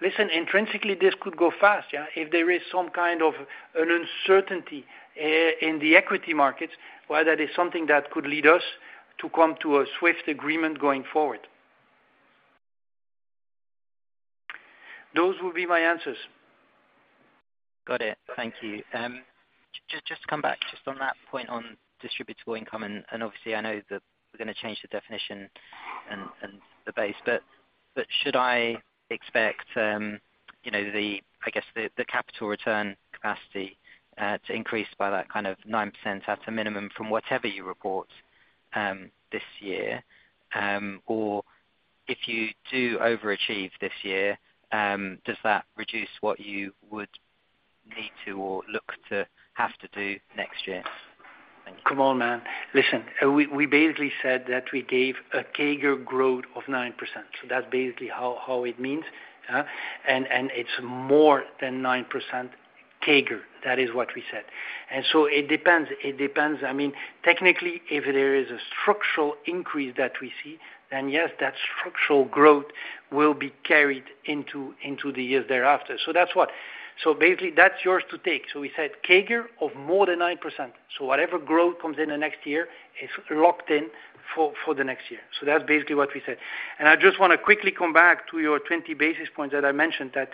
listen, intrinsically, this could go fast, yeah, if there is some kind of an uncertainty in the equity markets, well, that is something that could lead us to come to a swift agreement going forward. Those will be my answers. Got it. Thank you. just to come back just on that point on distributable income, and obviously I know that we're gonna change the definition and the base, but should I expect, you know, the, I guess the capital return capacity, to increase by that kind of 9% at a minimum from whatever you report, this year? Or if you do overachieve this year, does that reduce what you would need to or look to have to do next year? Thank you. Come on, man. Listen, we basically said that we gave a CAGR growth of 9%. That's basically how it means, and it's more than 9% CAGR. That is what we said. It depends, I mean, technically, if there is a structural increase that we see, then yes, that structural growth will be carried into the years thereafter. That's what. Basically, that's yours to take. We said CAGR of more than 9%. Whatever growth comes in the next year is locked in for the next year. That's basically what we said. I just want to quickly come back to your 20 basis points that I mentioned, that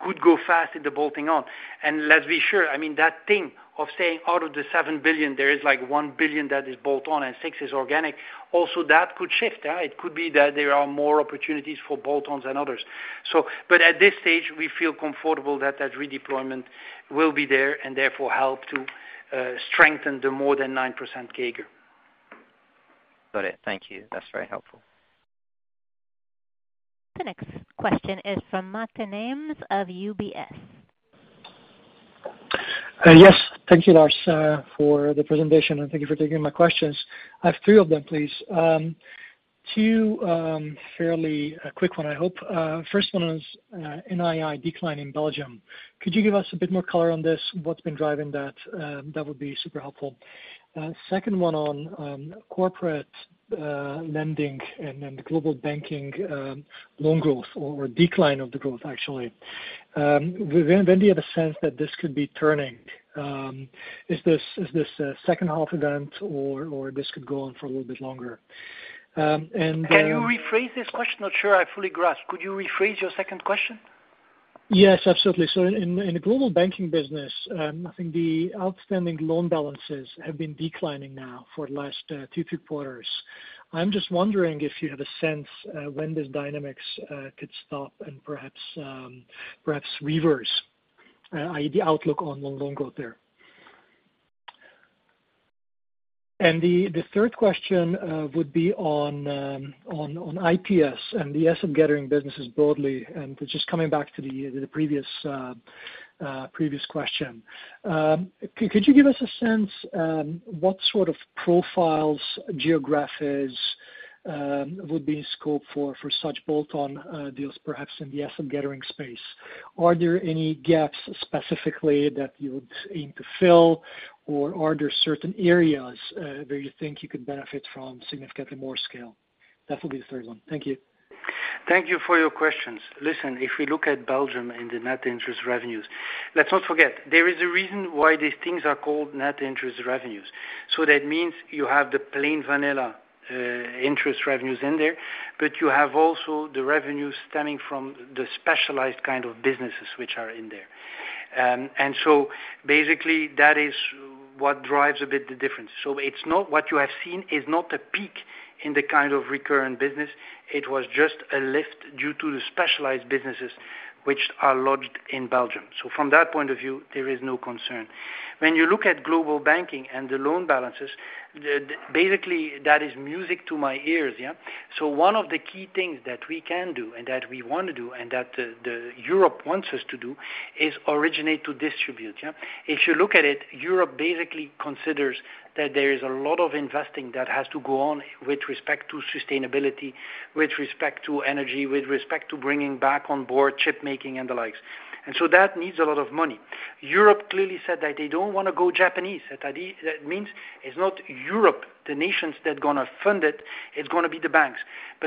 could go fast in the bolting on. Let's be sure, I mean, that thing of saying out of the 7 billion, there is like 1 billion that is bolt-on and 6 billion is organic, also that could shift. It could be that there are more opportunities for bolt-ons than others. But at this stage, we feel comfortable that that redeployment will be there and therefore help to strengthen the more than 9% CAGR. Got it. Thank you. That's very helpful. The next question is from Mate Nemes of UBS. Yes, thank you, Lars, for the presentation, and thank you for taking my questions. I have three of them, please. Two, fairly quick one, I hope. First one is, NII decline in Belgium. Could you give us a bit more color on this? What's been driving that? That would be super helpful. Second one on corporate lending and Global Banking, loan growth or decline of the growth, actually. When do you have a sense that this could be turning? Is this a second half event or this could go on for a little bit longer? And- Can you rephrase this question? Not sure I fully grasp. Could you rephrase your second question? Yes, absolutely. In the Global Banking business, I think the outstanding loan balances have been declining now for the last two, three quarters. I'm just wondering if you have a sense when this dynamics could stop and perhaps reverse, i.e., the outlook on loan growth there. The third question would be on IPS and the asset gathering businesses broadly, and just coming back to the previous question. Could you give us a sense what sort of profiles, geographies, would be in scope for such bolt-on deals, perhaps in the asset gathering space? Are there any gaps specifically that you would aim to fill, or are there certain areas where you think you could benefit from significantly more scale? That will be the third one. Thank you. Thank you for your questions. Listen, if we look at Belgium and the Net Interest Revenues, let's not forget, there is a reason why these things are called Net Interest Revenues. That means you have the plain vanilla interest revenues in there, but you have also the revenues stemming from the specialized kind of businesses which are in there. Basically that is what drives a bit the difference. It's not, what you have seen is not a peak in the kind of recurrent business. It was just a lift due to the specialized businesses which are lodged in Belgium. From that point of view, there is no concern. When you look at Global Banking and the loan balances, basically, that is music to my ears, yeah. One of the key things that we can do, and that we want to do, and that the Europe wants us to do, is originate to distribute. If you look at it, Europe basically considers that there is a lot of investing that has to go on with respect to sustainability, with respect to energy, with respect to bringing back on board shipmaking and the likes. That needs a lot of money. Europe clearly said that they don't want to go Japanese. That idea, that means it's not Europe, the nations, that are going to fund it, it's going to be the banks.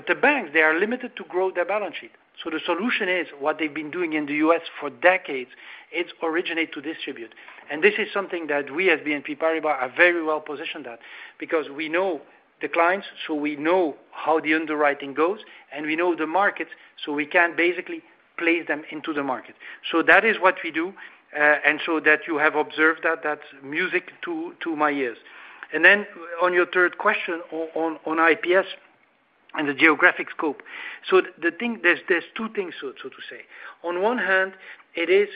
The banks, they are limited to grow their balance sheet. The solution is what they've been doing in the U.S. for decades, it's originate to distribute. This is something that we at BNP Paribas are very well positioned at, because we know the clients, so we know how the underwriting goes, and we know the market, so we can basically place them into the market. That is what we do, and so that you have observed that, that's music to my ears. Then on your third question, on IPS and the geographic scope. The thing. There's two things so to say. On one hand, it is,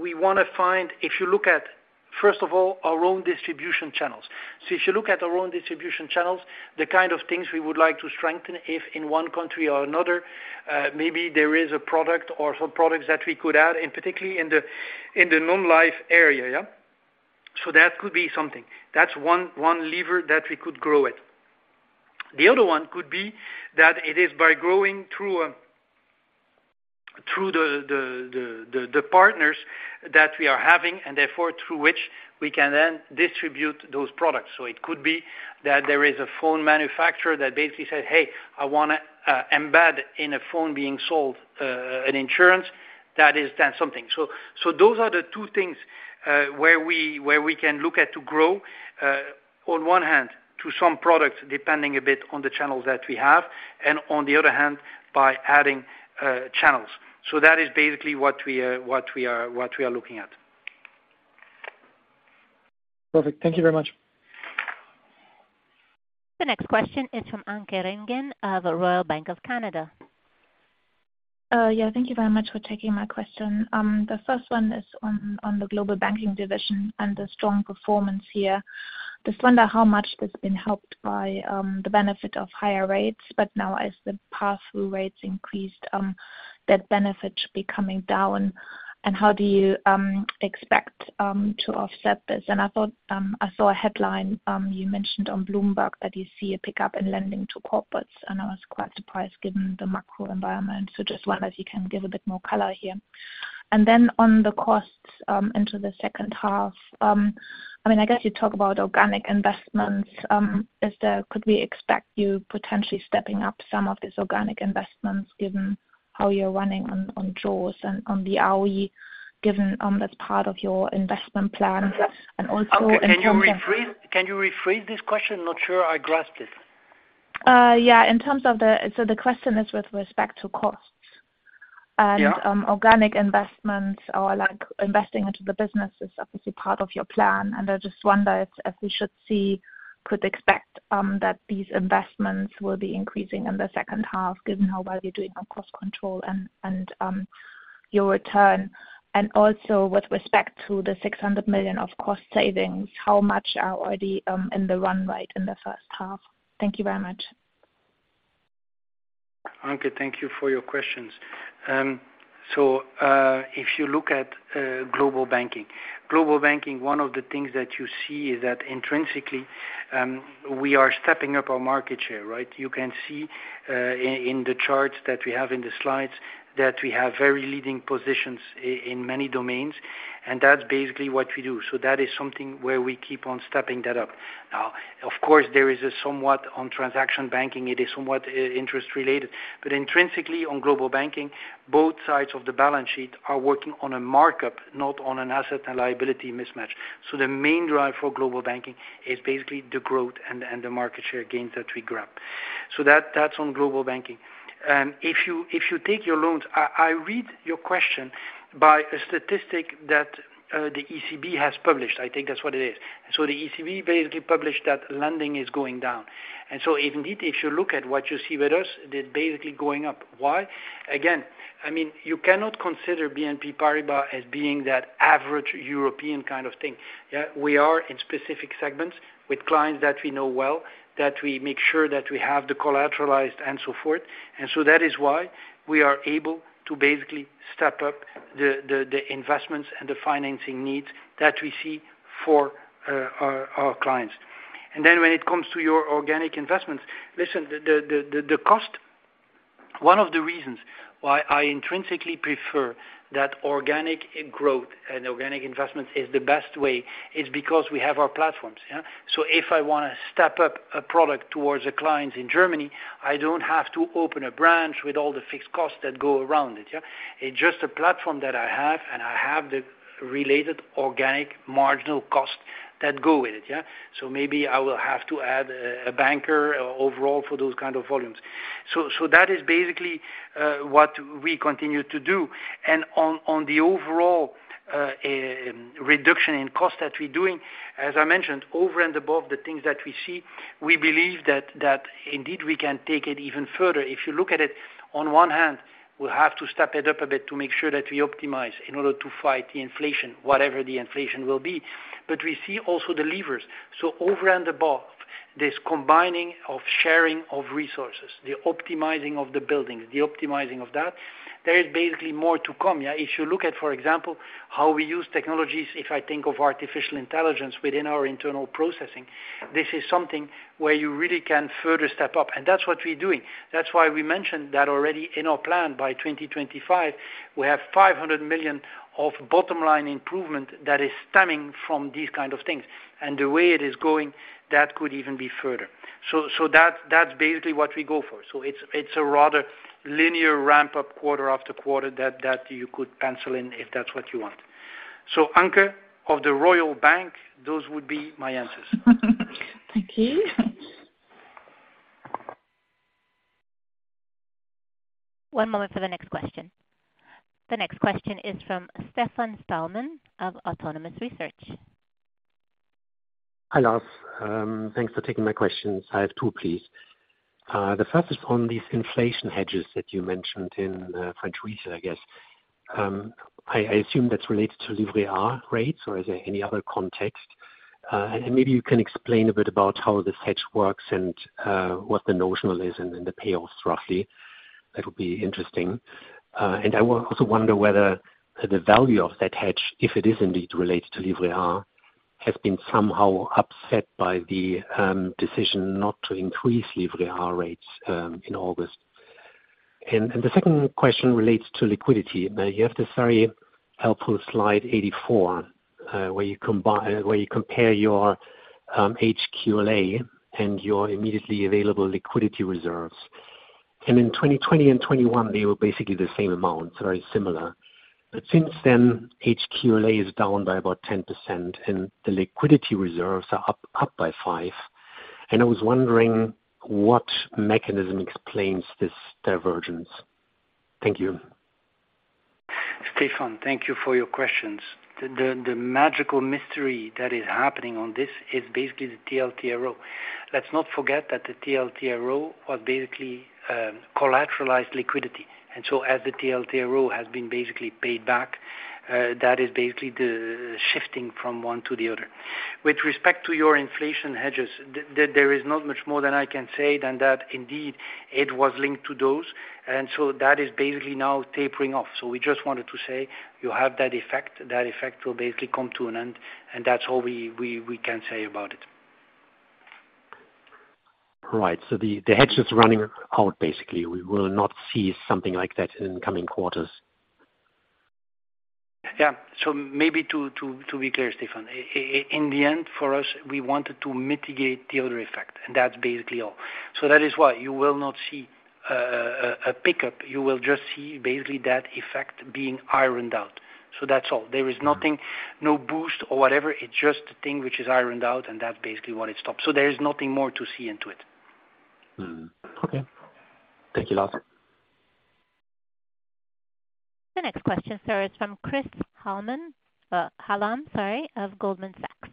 we want to find, if you look at, first of all, our own distribution channels. If you look at our own distribution channels, the kind of things we would like to strengthen if in one country or another, maybe there is a product or some products that we could add, and particularly in the non-life area, yeah? That could be something. That's one lever that we could grow it. The other one could be that it is by growing through the partners that we are having, and therefore through which we can then distribute those products. It could be that there is a phone manufacturer that basically said, "Hey, I wanna embed in a phone being sold, an insurance." That is then something. Those are the two things, where we can look at to grow, on one hand, to some products, depending a bit on the channels that we have, and on the other hand, by adding, channels. That is basically what we are looking at. Perfect. Thank you very much. The next question is from Anke Reingen of Royal Bank of Canada. Yeah, thank you very much for taking my question. The first one is on the Global Banking division and the strong performance here.... Just wonder how much that's been helped by the benefit of higher rates, but now as the pass-through rates increased, that benefit should be coming down. How do you expect to offset this? I thought, I saw a headline, you mentioned on Bloomberg that you see a pickup in lending to corporates, and I was quite surprised given the macro environment. Just wonder if you can give a bit more color here? Then on the costs, into the second half, I mean, I guess you talk about organic investments. Could we expect you potentially stepping up some of these organic investments, given how you're running on draws and on the AOE, given that's part of your investment plan? Also in terms of- Can you rephrase this question? Not sure I grasped it. Yeah, in terms of the... the question is with respect to costs. Yeah. Organic investments or, like, investing into the business is obviously part of your plan. I just wonder if we should see, could expect that these investments will be increasing in the second half, given how well you're doing on cost control and your return? Also with respect to the 600 million of cost savings, how much are already in the run rate in the first half? Thank you very much. Anke, thank you for your questions. If you look at Global Banking, one of the things that you see is that intrinsically, we are stepping up our market share, right? You can see in the charts that we have in the slides, that we have very leading positions in many domains, and that's basically what we do. That is something where we keep on stepping that up. Now, of course, there is a somewhat on transaction banking, it is somewhat interest related, but intrinsically on Global Banking, both sides of the balance sheet are working on a markup, not on an asset and liability mismatch. The main drive for Global Banking is basically the growth and the market share gains that we grab. That's on Global Banking. If you take your loans, I read your question by a statistic that the ECB has published. I think that's what it is. Indeed, if you look at what you see with us, they're basically going up. Why? Again, I mean, you cannot consider BNP Paribas as being that average European kind of thing. Yeah, we are in specific segments with clients that we know well, that we make sure that we have the collateralized and so forth. That is why we are able to basically step up the investments and the financing needs that we see for our clients. Then when it comes to your organic investments, listen, the cost. One of the reasons why I intrinsically prefer that organic growth and organic investment is the best way, is because we have our platforms, yeah? So if I want to step up a product towards the clients in Germany, I don't have to open a branch with all the fixed costs that go around it, yeah? It's just a platform that I have, and I have the related organic marginal costs that go with it, yeah? So maybe I will have to add a, a banker overall for those kind of volumes. So that is basically what we continue to do. On the overall reduction in cost that we're doing, as I mentioned, over and above the things that we see, we believe that indeed we can take it even further. If you look at it, on one hand, we'll have to step it up a bit to make sure that we optimize in order to fight the inflation, whatever the inflation will be. We see also the levers. Over and above, this combining of sharing of resources, the optimizing of the buildings, the optimizing of that, there is basically more to come, yeah? If you look at, for example, how we use technologies, if I think of artificial intelligence within our internal processing, this is something where you really can further step up, and that's what we're doing. That's why we mentioned that already in our plan by 2025, we have 500 million of bottom line improvement that is stemming from these kind of things. The way it is going, that could even be further. That's basically what we go for. It's a rather linear ramp-up quarter after quarter, that you could pencil in if that's what you want. Anke, of the Royal Bank, those would be my answers. Thank you. One moment for the next question. The next question is from Stefan Stalmann of Autonomous Research. Hi, Lars. Thanks for taking my questions. I have two, please. The first is on these inflation hedges that you mentioned in French retail, I guess. I assume that's related to Livret A rates, or is there any other context? Maybe you can explain a bit about how this hedge works and what the notional is and the payoffs, roughly? That would be interesting. I also wonder whether the value of that hedge, if it is indeed related to Livret A, has been somehow upset by the decision not to increase Livret A rates in August? The second question relates to liquidity. You have this very helpful slide 84, where you compare your HQLA and your immediately available liquidity reserves. In 2020 and 2021, they were basically the same amount, very similar. Since then, HQLA is down by about 10%, and the liquidity reserves are up by 5%. I was wondering what mechanism explains this divergence? Thank you. Stefan, thank you for your questions. The magical mystery that is happening on this is basically the TLTRO. Let's not forget that the TLTRO was basically, collateralized liquidity, as the TLTRO has been basically paid back, that is basically the shifting from one to the other. With respect to your inflation hedges, there is not much more that I can say than that, indeed, it was linked to those, that is basically now tapering off. We just wanted to say, you have that effect, that effect will basically come to an end, and that's all we can say about it. Right. The, the hedge is running out, basically, we will not see something like that in coming quarters? Yeah. Maybe to be clear, Stefan, in the end for us, we wanted to mitigate the other effect, and that's basically all. That is why you will not see a pickup, you will just see basically that effect being ironed out. That's all. There is nothing, no boost or whatever, it's just a thing which is ironed out, and that's basically what it stops. There is nothing more to see into it. Okay. Thank you, Lars. The next question, sir, is from Chris Hallam, sorry, of Goldman Sachs.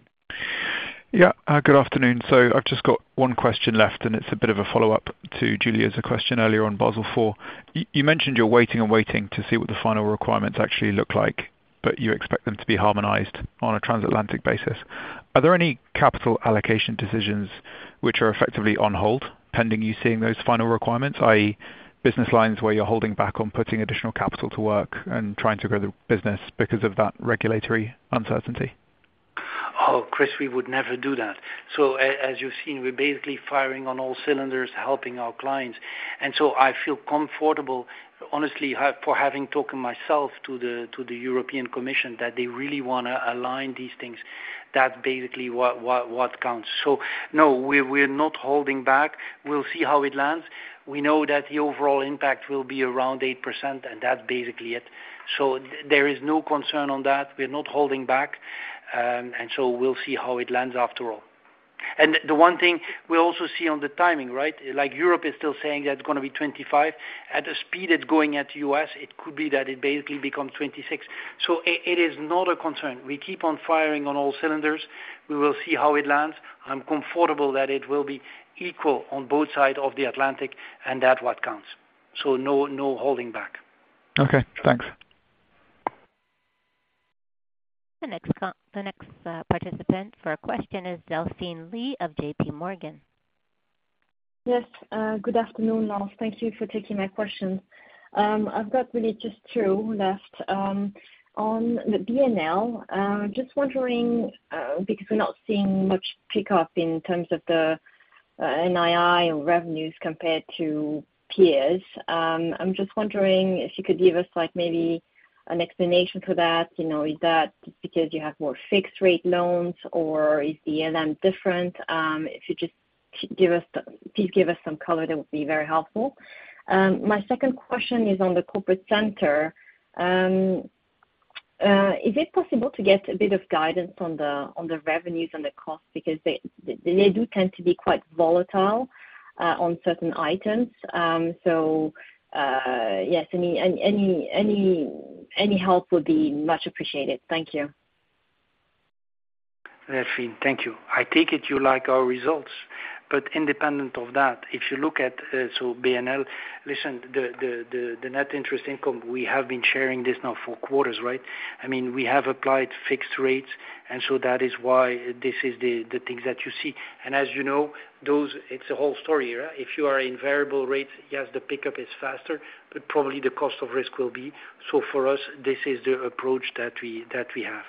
Good afternoon. I've just got one question left, and it's a bit of a follow-up to Giulia's question earlier on Basel IV. You mentioned you're waiting and waiting to see what the final requirements actually look like, but you expect them to be harmonized on a transatlantic basis. Are there any capital allocation decisions which are effectively on hold, pending you seeing those final requirements, i.e., business lines where you're holding back on putting additional capital to work and trying to grow the business because of that regulatory uncertainty? Oh, Chris, we would never do that. As you've seen, we're basically firing on all cylinders, helping our clients. I feel comfortable, honestly, for having talked myself to the European Commission, that they really wanna align these things. That's basically what counts. No, we're not holding back. We'll see how it lands. We know that the overall impact will be around 8%, and that's basically it. There is no concern on that. We're not holding back, we'll see how it lands after all. The one thing we also see on the timing, right? Like Europe is still saying that's gonna be 2025. At the speed it's going at the U.S., it could be that it basically becomes 2026. It is not a concern. We keep on firing on all cylinders. We will see how it lands. I'm comfortable that it will be equal on both sides of the Atlantic, and that what counts. No holding back. Okay, thanks. The next participant for a question is Delphine Lee of JPMorgan. Yes. Good afternoon, Lars. Thank you for taking my questions. I've got really just two left. On the BNL, just wondering, because we're not seeing much pickup in terms of the NII or revenues compared to peers, I'm just wondering if you could give us, like maybe an explanation for that? You know, is that because you have more fixed rate loans, or is the ELM different? If you just give us the... Please give us some color, that would be very helpful. My second question is on the corporate center. Is it possible to get a bit of guidance on the revenues and the costs, because they do tend to be quite volatile on certain items? Yes, any help would be much appreciated. Thank you. Delphine, thank you. I take it you like our results, but independent of that, if you look at BNL, listen, the net interest income, we have been sharing this now for quarters, right? I mean, we have applied fixed rates, and so that is why this is the things that you see. As you know, those, it's a whole story, right? If you are in variable rates, yes, the pickup is faster, but probably the cost of risk will be. For us, this is the approach that we have.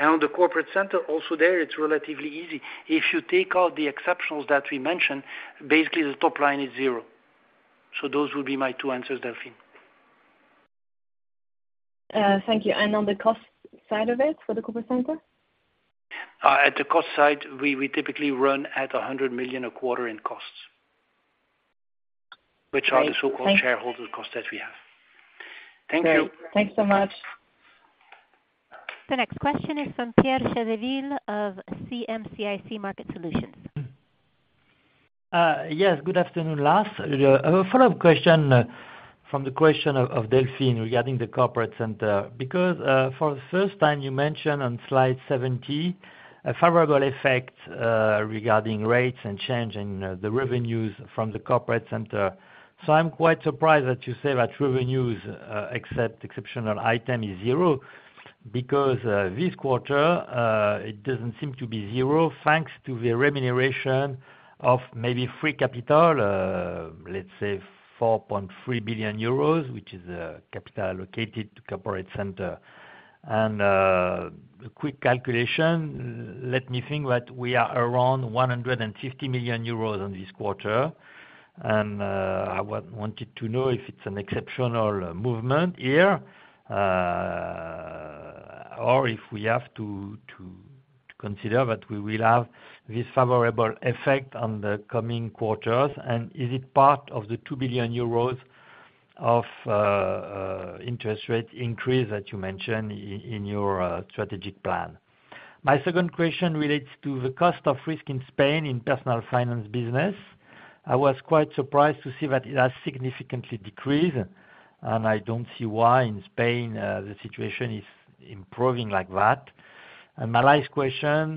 On the corporate center, also there, it's relatively easy. If you take out the exceptionals that we mentioned, basically the top line is zero. Those would be my two answers, Delphine. Thank you. On the cost side of it, for the corporate center? At the cost side, we typically run at 100 million a quarter in costs, which are the so-called shareholder costs that we have. Thank you. Thanks so much. The next question is from Pierre Chédeville of CIC Market Solutions. Yes, good afternoon, Lars. A follow-up question from the question of Delphine regarding the corporate center, because for the first time, you mentioned on slide 70, a favorable effect regarding rates and changing the revenues from the corporate center. I'm quite surprised that you say that revenues, except exceptional item, is zero, because this quarter, it doesn't seem to be zero, thanks to the remuneration of maybe free capital, let's say 4.3 billion euros, which is the capital allocated to corporate center. A quick calculation, let me think that we are around 150 million euros on this quarter. I wanted to know if it's an exceptional movement here, or if we have to consider that we will have this favorable effect on the coming quarters, and is it part of the 2 billion euros of interest rate increase that you mentioned in your strategic plan? My second question relates to the cost of risk in Spain in Personal Finance business. I was quite surprised to see that it has significantly decreased, and I don't see why in Spain, the situation is improving like that. My last question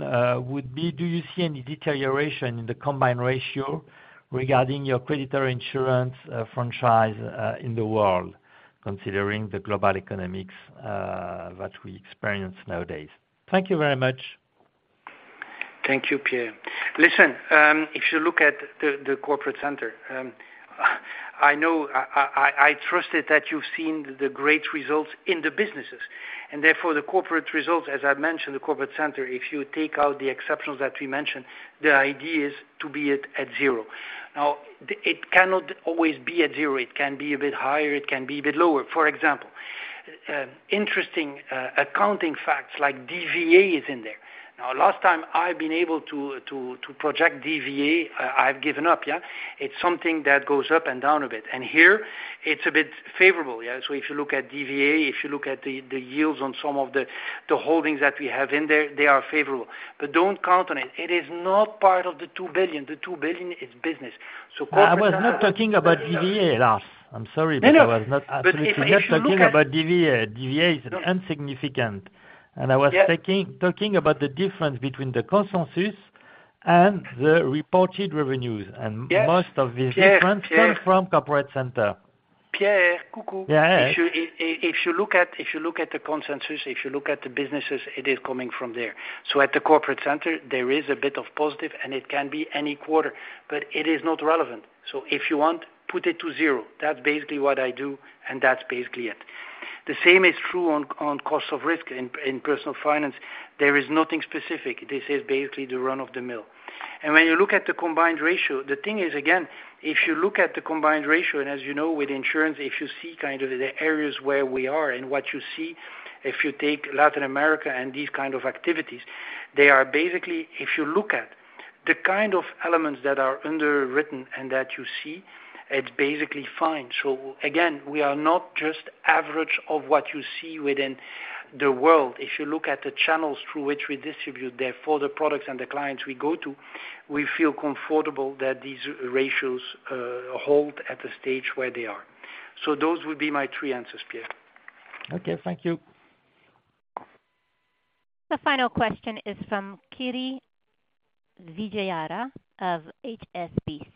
would be, do you see any deterioration in the combined ratio regarding your creditor insurance franchise in the world, considering the global economics that we experience nowadays? Thank you very much. Thank you, Pierre. Listen, if you look at the corporate center, I know I trusted that you've seen the great results in the businesses. Therefore, the corporate results, as I mentioned, the corporate center, if you take out the exceptions that we mentioned, the idea is to be at zero. It cannot always be at zero. It can be a bit higher, it can be a bit lower. For example, interesting accounting facts, like DVA is in there. Last time I've been able to project DVA, I've given up, yeah? It's something that goes up and down a bit. Here it's a bit favorable, yeah. If you look at DVA, if you look at the yields on some of the holdings that we have in there, they are favorable. Don't count on it. It is not part of the 2 billion. The 2 billion is business. I was not talking about DVA, Lars. I'm sorry, but I was not- No, no, if you look at. Talking about DVA. DVA is insignificant. Yeah. I was talking about the difference between the consensus and the reported revenues. Yes. Most of this difference come from corporate center. Pierre, cuckoo. Yeah. If you look at the consensus, if you look at the businesses, it is coming from there. At the corporate center, there is a bit of positive, and it can be any quarter, but it is not relevant. If you want, put it to zero. That's basically what I do, and that's basically it. The same is true on cost of risk in Personal Finance. There is nothing specific. This is basically the run-of-the-mill. When you look at the combined ratio, the thing is, again, if you look at the combined ratio, and as you know, with insurance, if you see kind of the areas where we are and what you see, if you take Latin America and these kind of activities, they are basically... If you look at the kind of elements that are underwritten and that you see, it's basically fine. Again, we are not just average of what you see within the world. If you look at the channels through which we distribute, therefore the products and the clients we go to, we feel comfortable that these ratios hold at the stage where they are. Those would be my three answers, Pierre. Okay, thank you. The final question is from Kiri Vijayarajah of HSBC.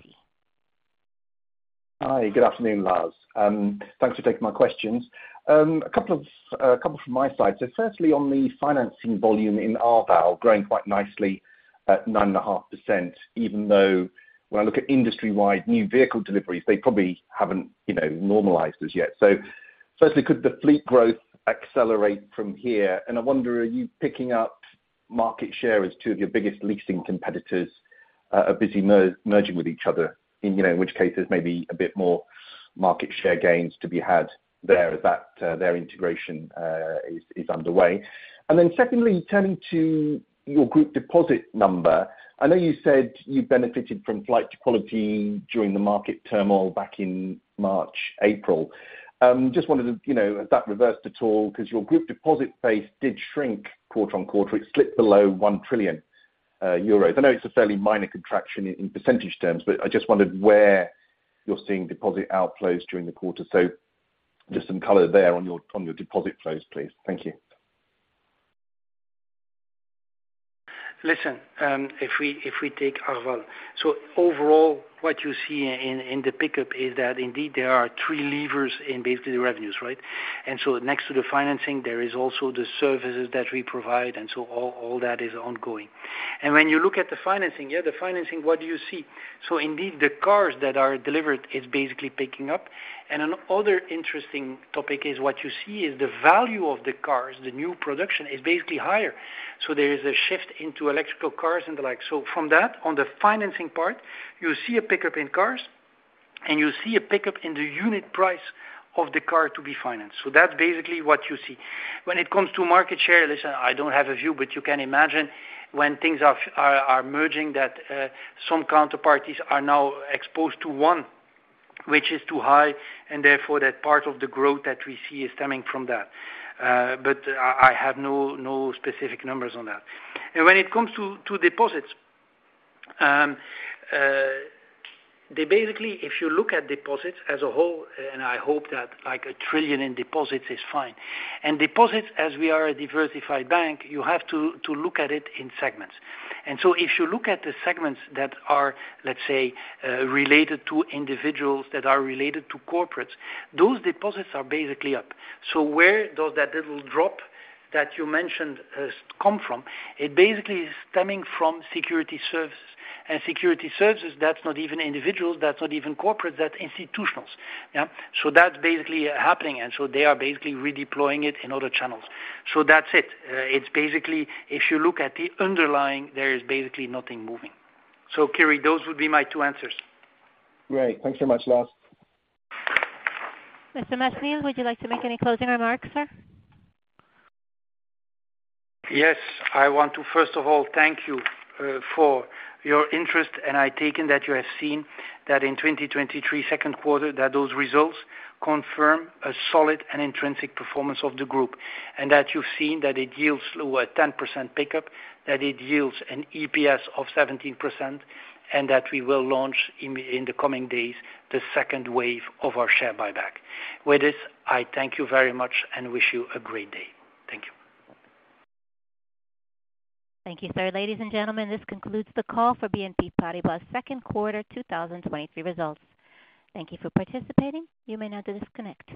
Hi, good afternoon, Lars. Thanks for taking my questions. A couple from my side. Firstly, on the financing volume in Arval, growing quite nicely at 9.5%, even though when I look at industry-wide new vehicle deliveries, they probably haven't, you know, normalized as yet. Firstly, could the fleet growth accelerate from here? I wonder, are you picking up market share as two of your biggest leasing competitors are busy merging with each other, in, you know, in which case there's maybe a bit more market share gains to be had there as that their integration is underway? Secondly, turning to your group deposit number, I know you said you benefited from flight to quality during the market turmoil back in March, April. Just wanted to, you know, has that reversed at all? 'Cause your group deposit base did shrink quarter-on-quarter. It slipped below 1 trillion euros. I know it's a fairly minor contraction in percentage terms, but I just wondered where you're seeing deposit outflows during the quarter? Just some color there on your deposit flows, please. Thank you. Listen, if we take Arval, overall, what you see in the pickup is that indeed there are three levers in basically the revenues, right? Next to the financing, there is also the services that we provide, and all that is ongoing. When you look at the financing, what do you see? Indeed, the cars that are delivered is basically picking up. Another interesting topic is what you see is the value of the cars, the new production, is basically higher. There is a shift into electrical cars and the like. From that, on the financing part, you see a pickup in cars, and you see a pickup in the unit price of the car to be financed. That's basically what you see. When it comes to market share, listen, I don't have a view, but you can imagine when things are, are merging, that some counterparties are now exposed to one, which is too high, and therefore, that part of the growth that we see is stemming from that. I have no specific numbers on that. When it comes to deposits, they basically, if you look at deposits as a whole, and I hope that, like, 1 trillion in deposits is fine, and deposits, as we are a diversified bank, you have to look at it in segments. If you look at the segments that are, let's say, related to individuals, that are related to corporates, those deposits are basically up. Where does that little drop that you mentioned come from? It basically is stemming from Securities Services, and Securities Services, that's not even individuals, that's not even corporate, that's institutionals. That's basically happening, they are basically redeploying it in other channels. That's it. It's basically, if you look at the underlying, there is basically nothing moving. Kiri, those would be my two answers. Great. Thanks so much, Lars. Mr. Machenil, would you like to make any closing remarks, sir? Yes. I want to, first of all, thank you for your interest. I taken that you have seen that in 2023 second quarter, that those results confirm a solid and intrinsic performance of the group. That you've seen that it yields a 10% pickup, that it yields an EPS of 17%. That we will launch in the coming days, the second wave of our share buyback. With this, I thank you very much and wish you a great day. Thank you. Thank you, sir. Ladies and gentlemen, this concludes the call for BNP Paribas' second quarter 2023 results. Thank you for participating. You may now disconnect.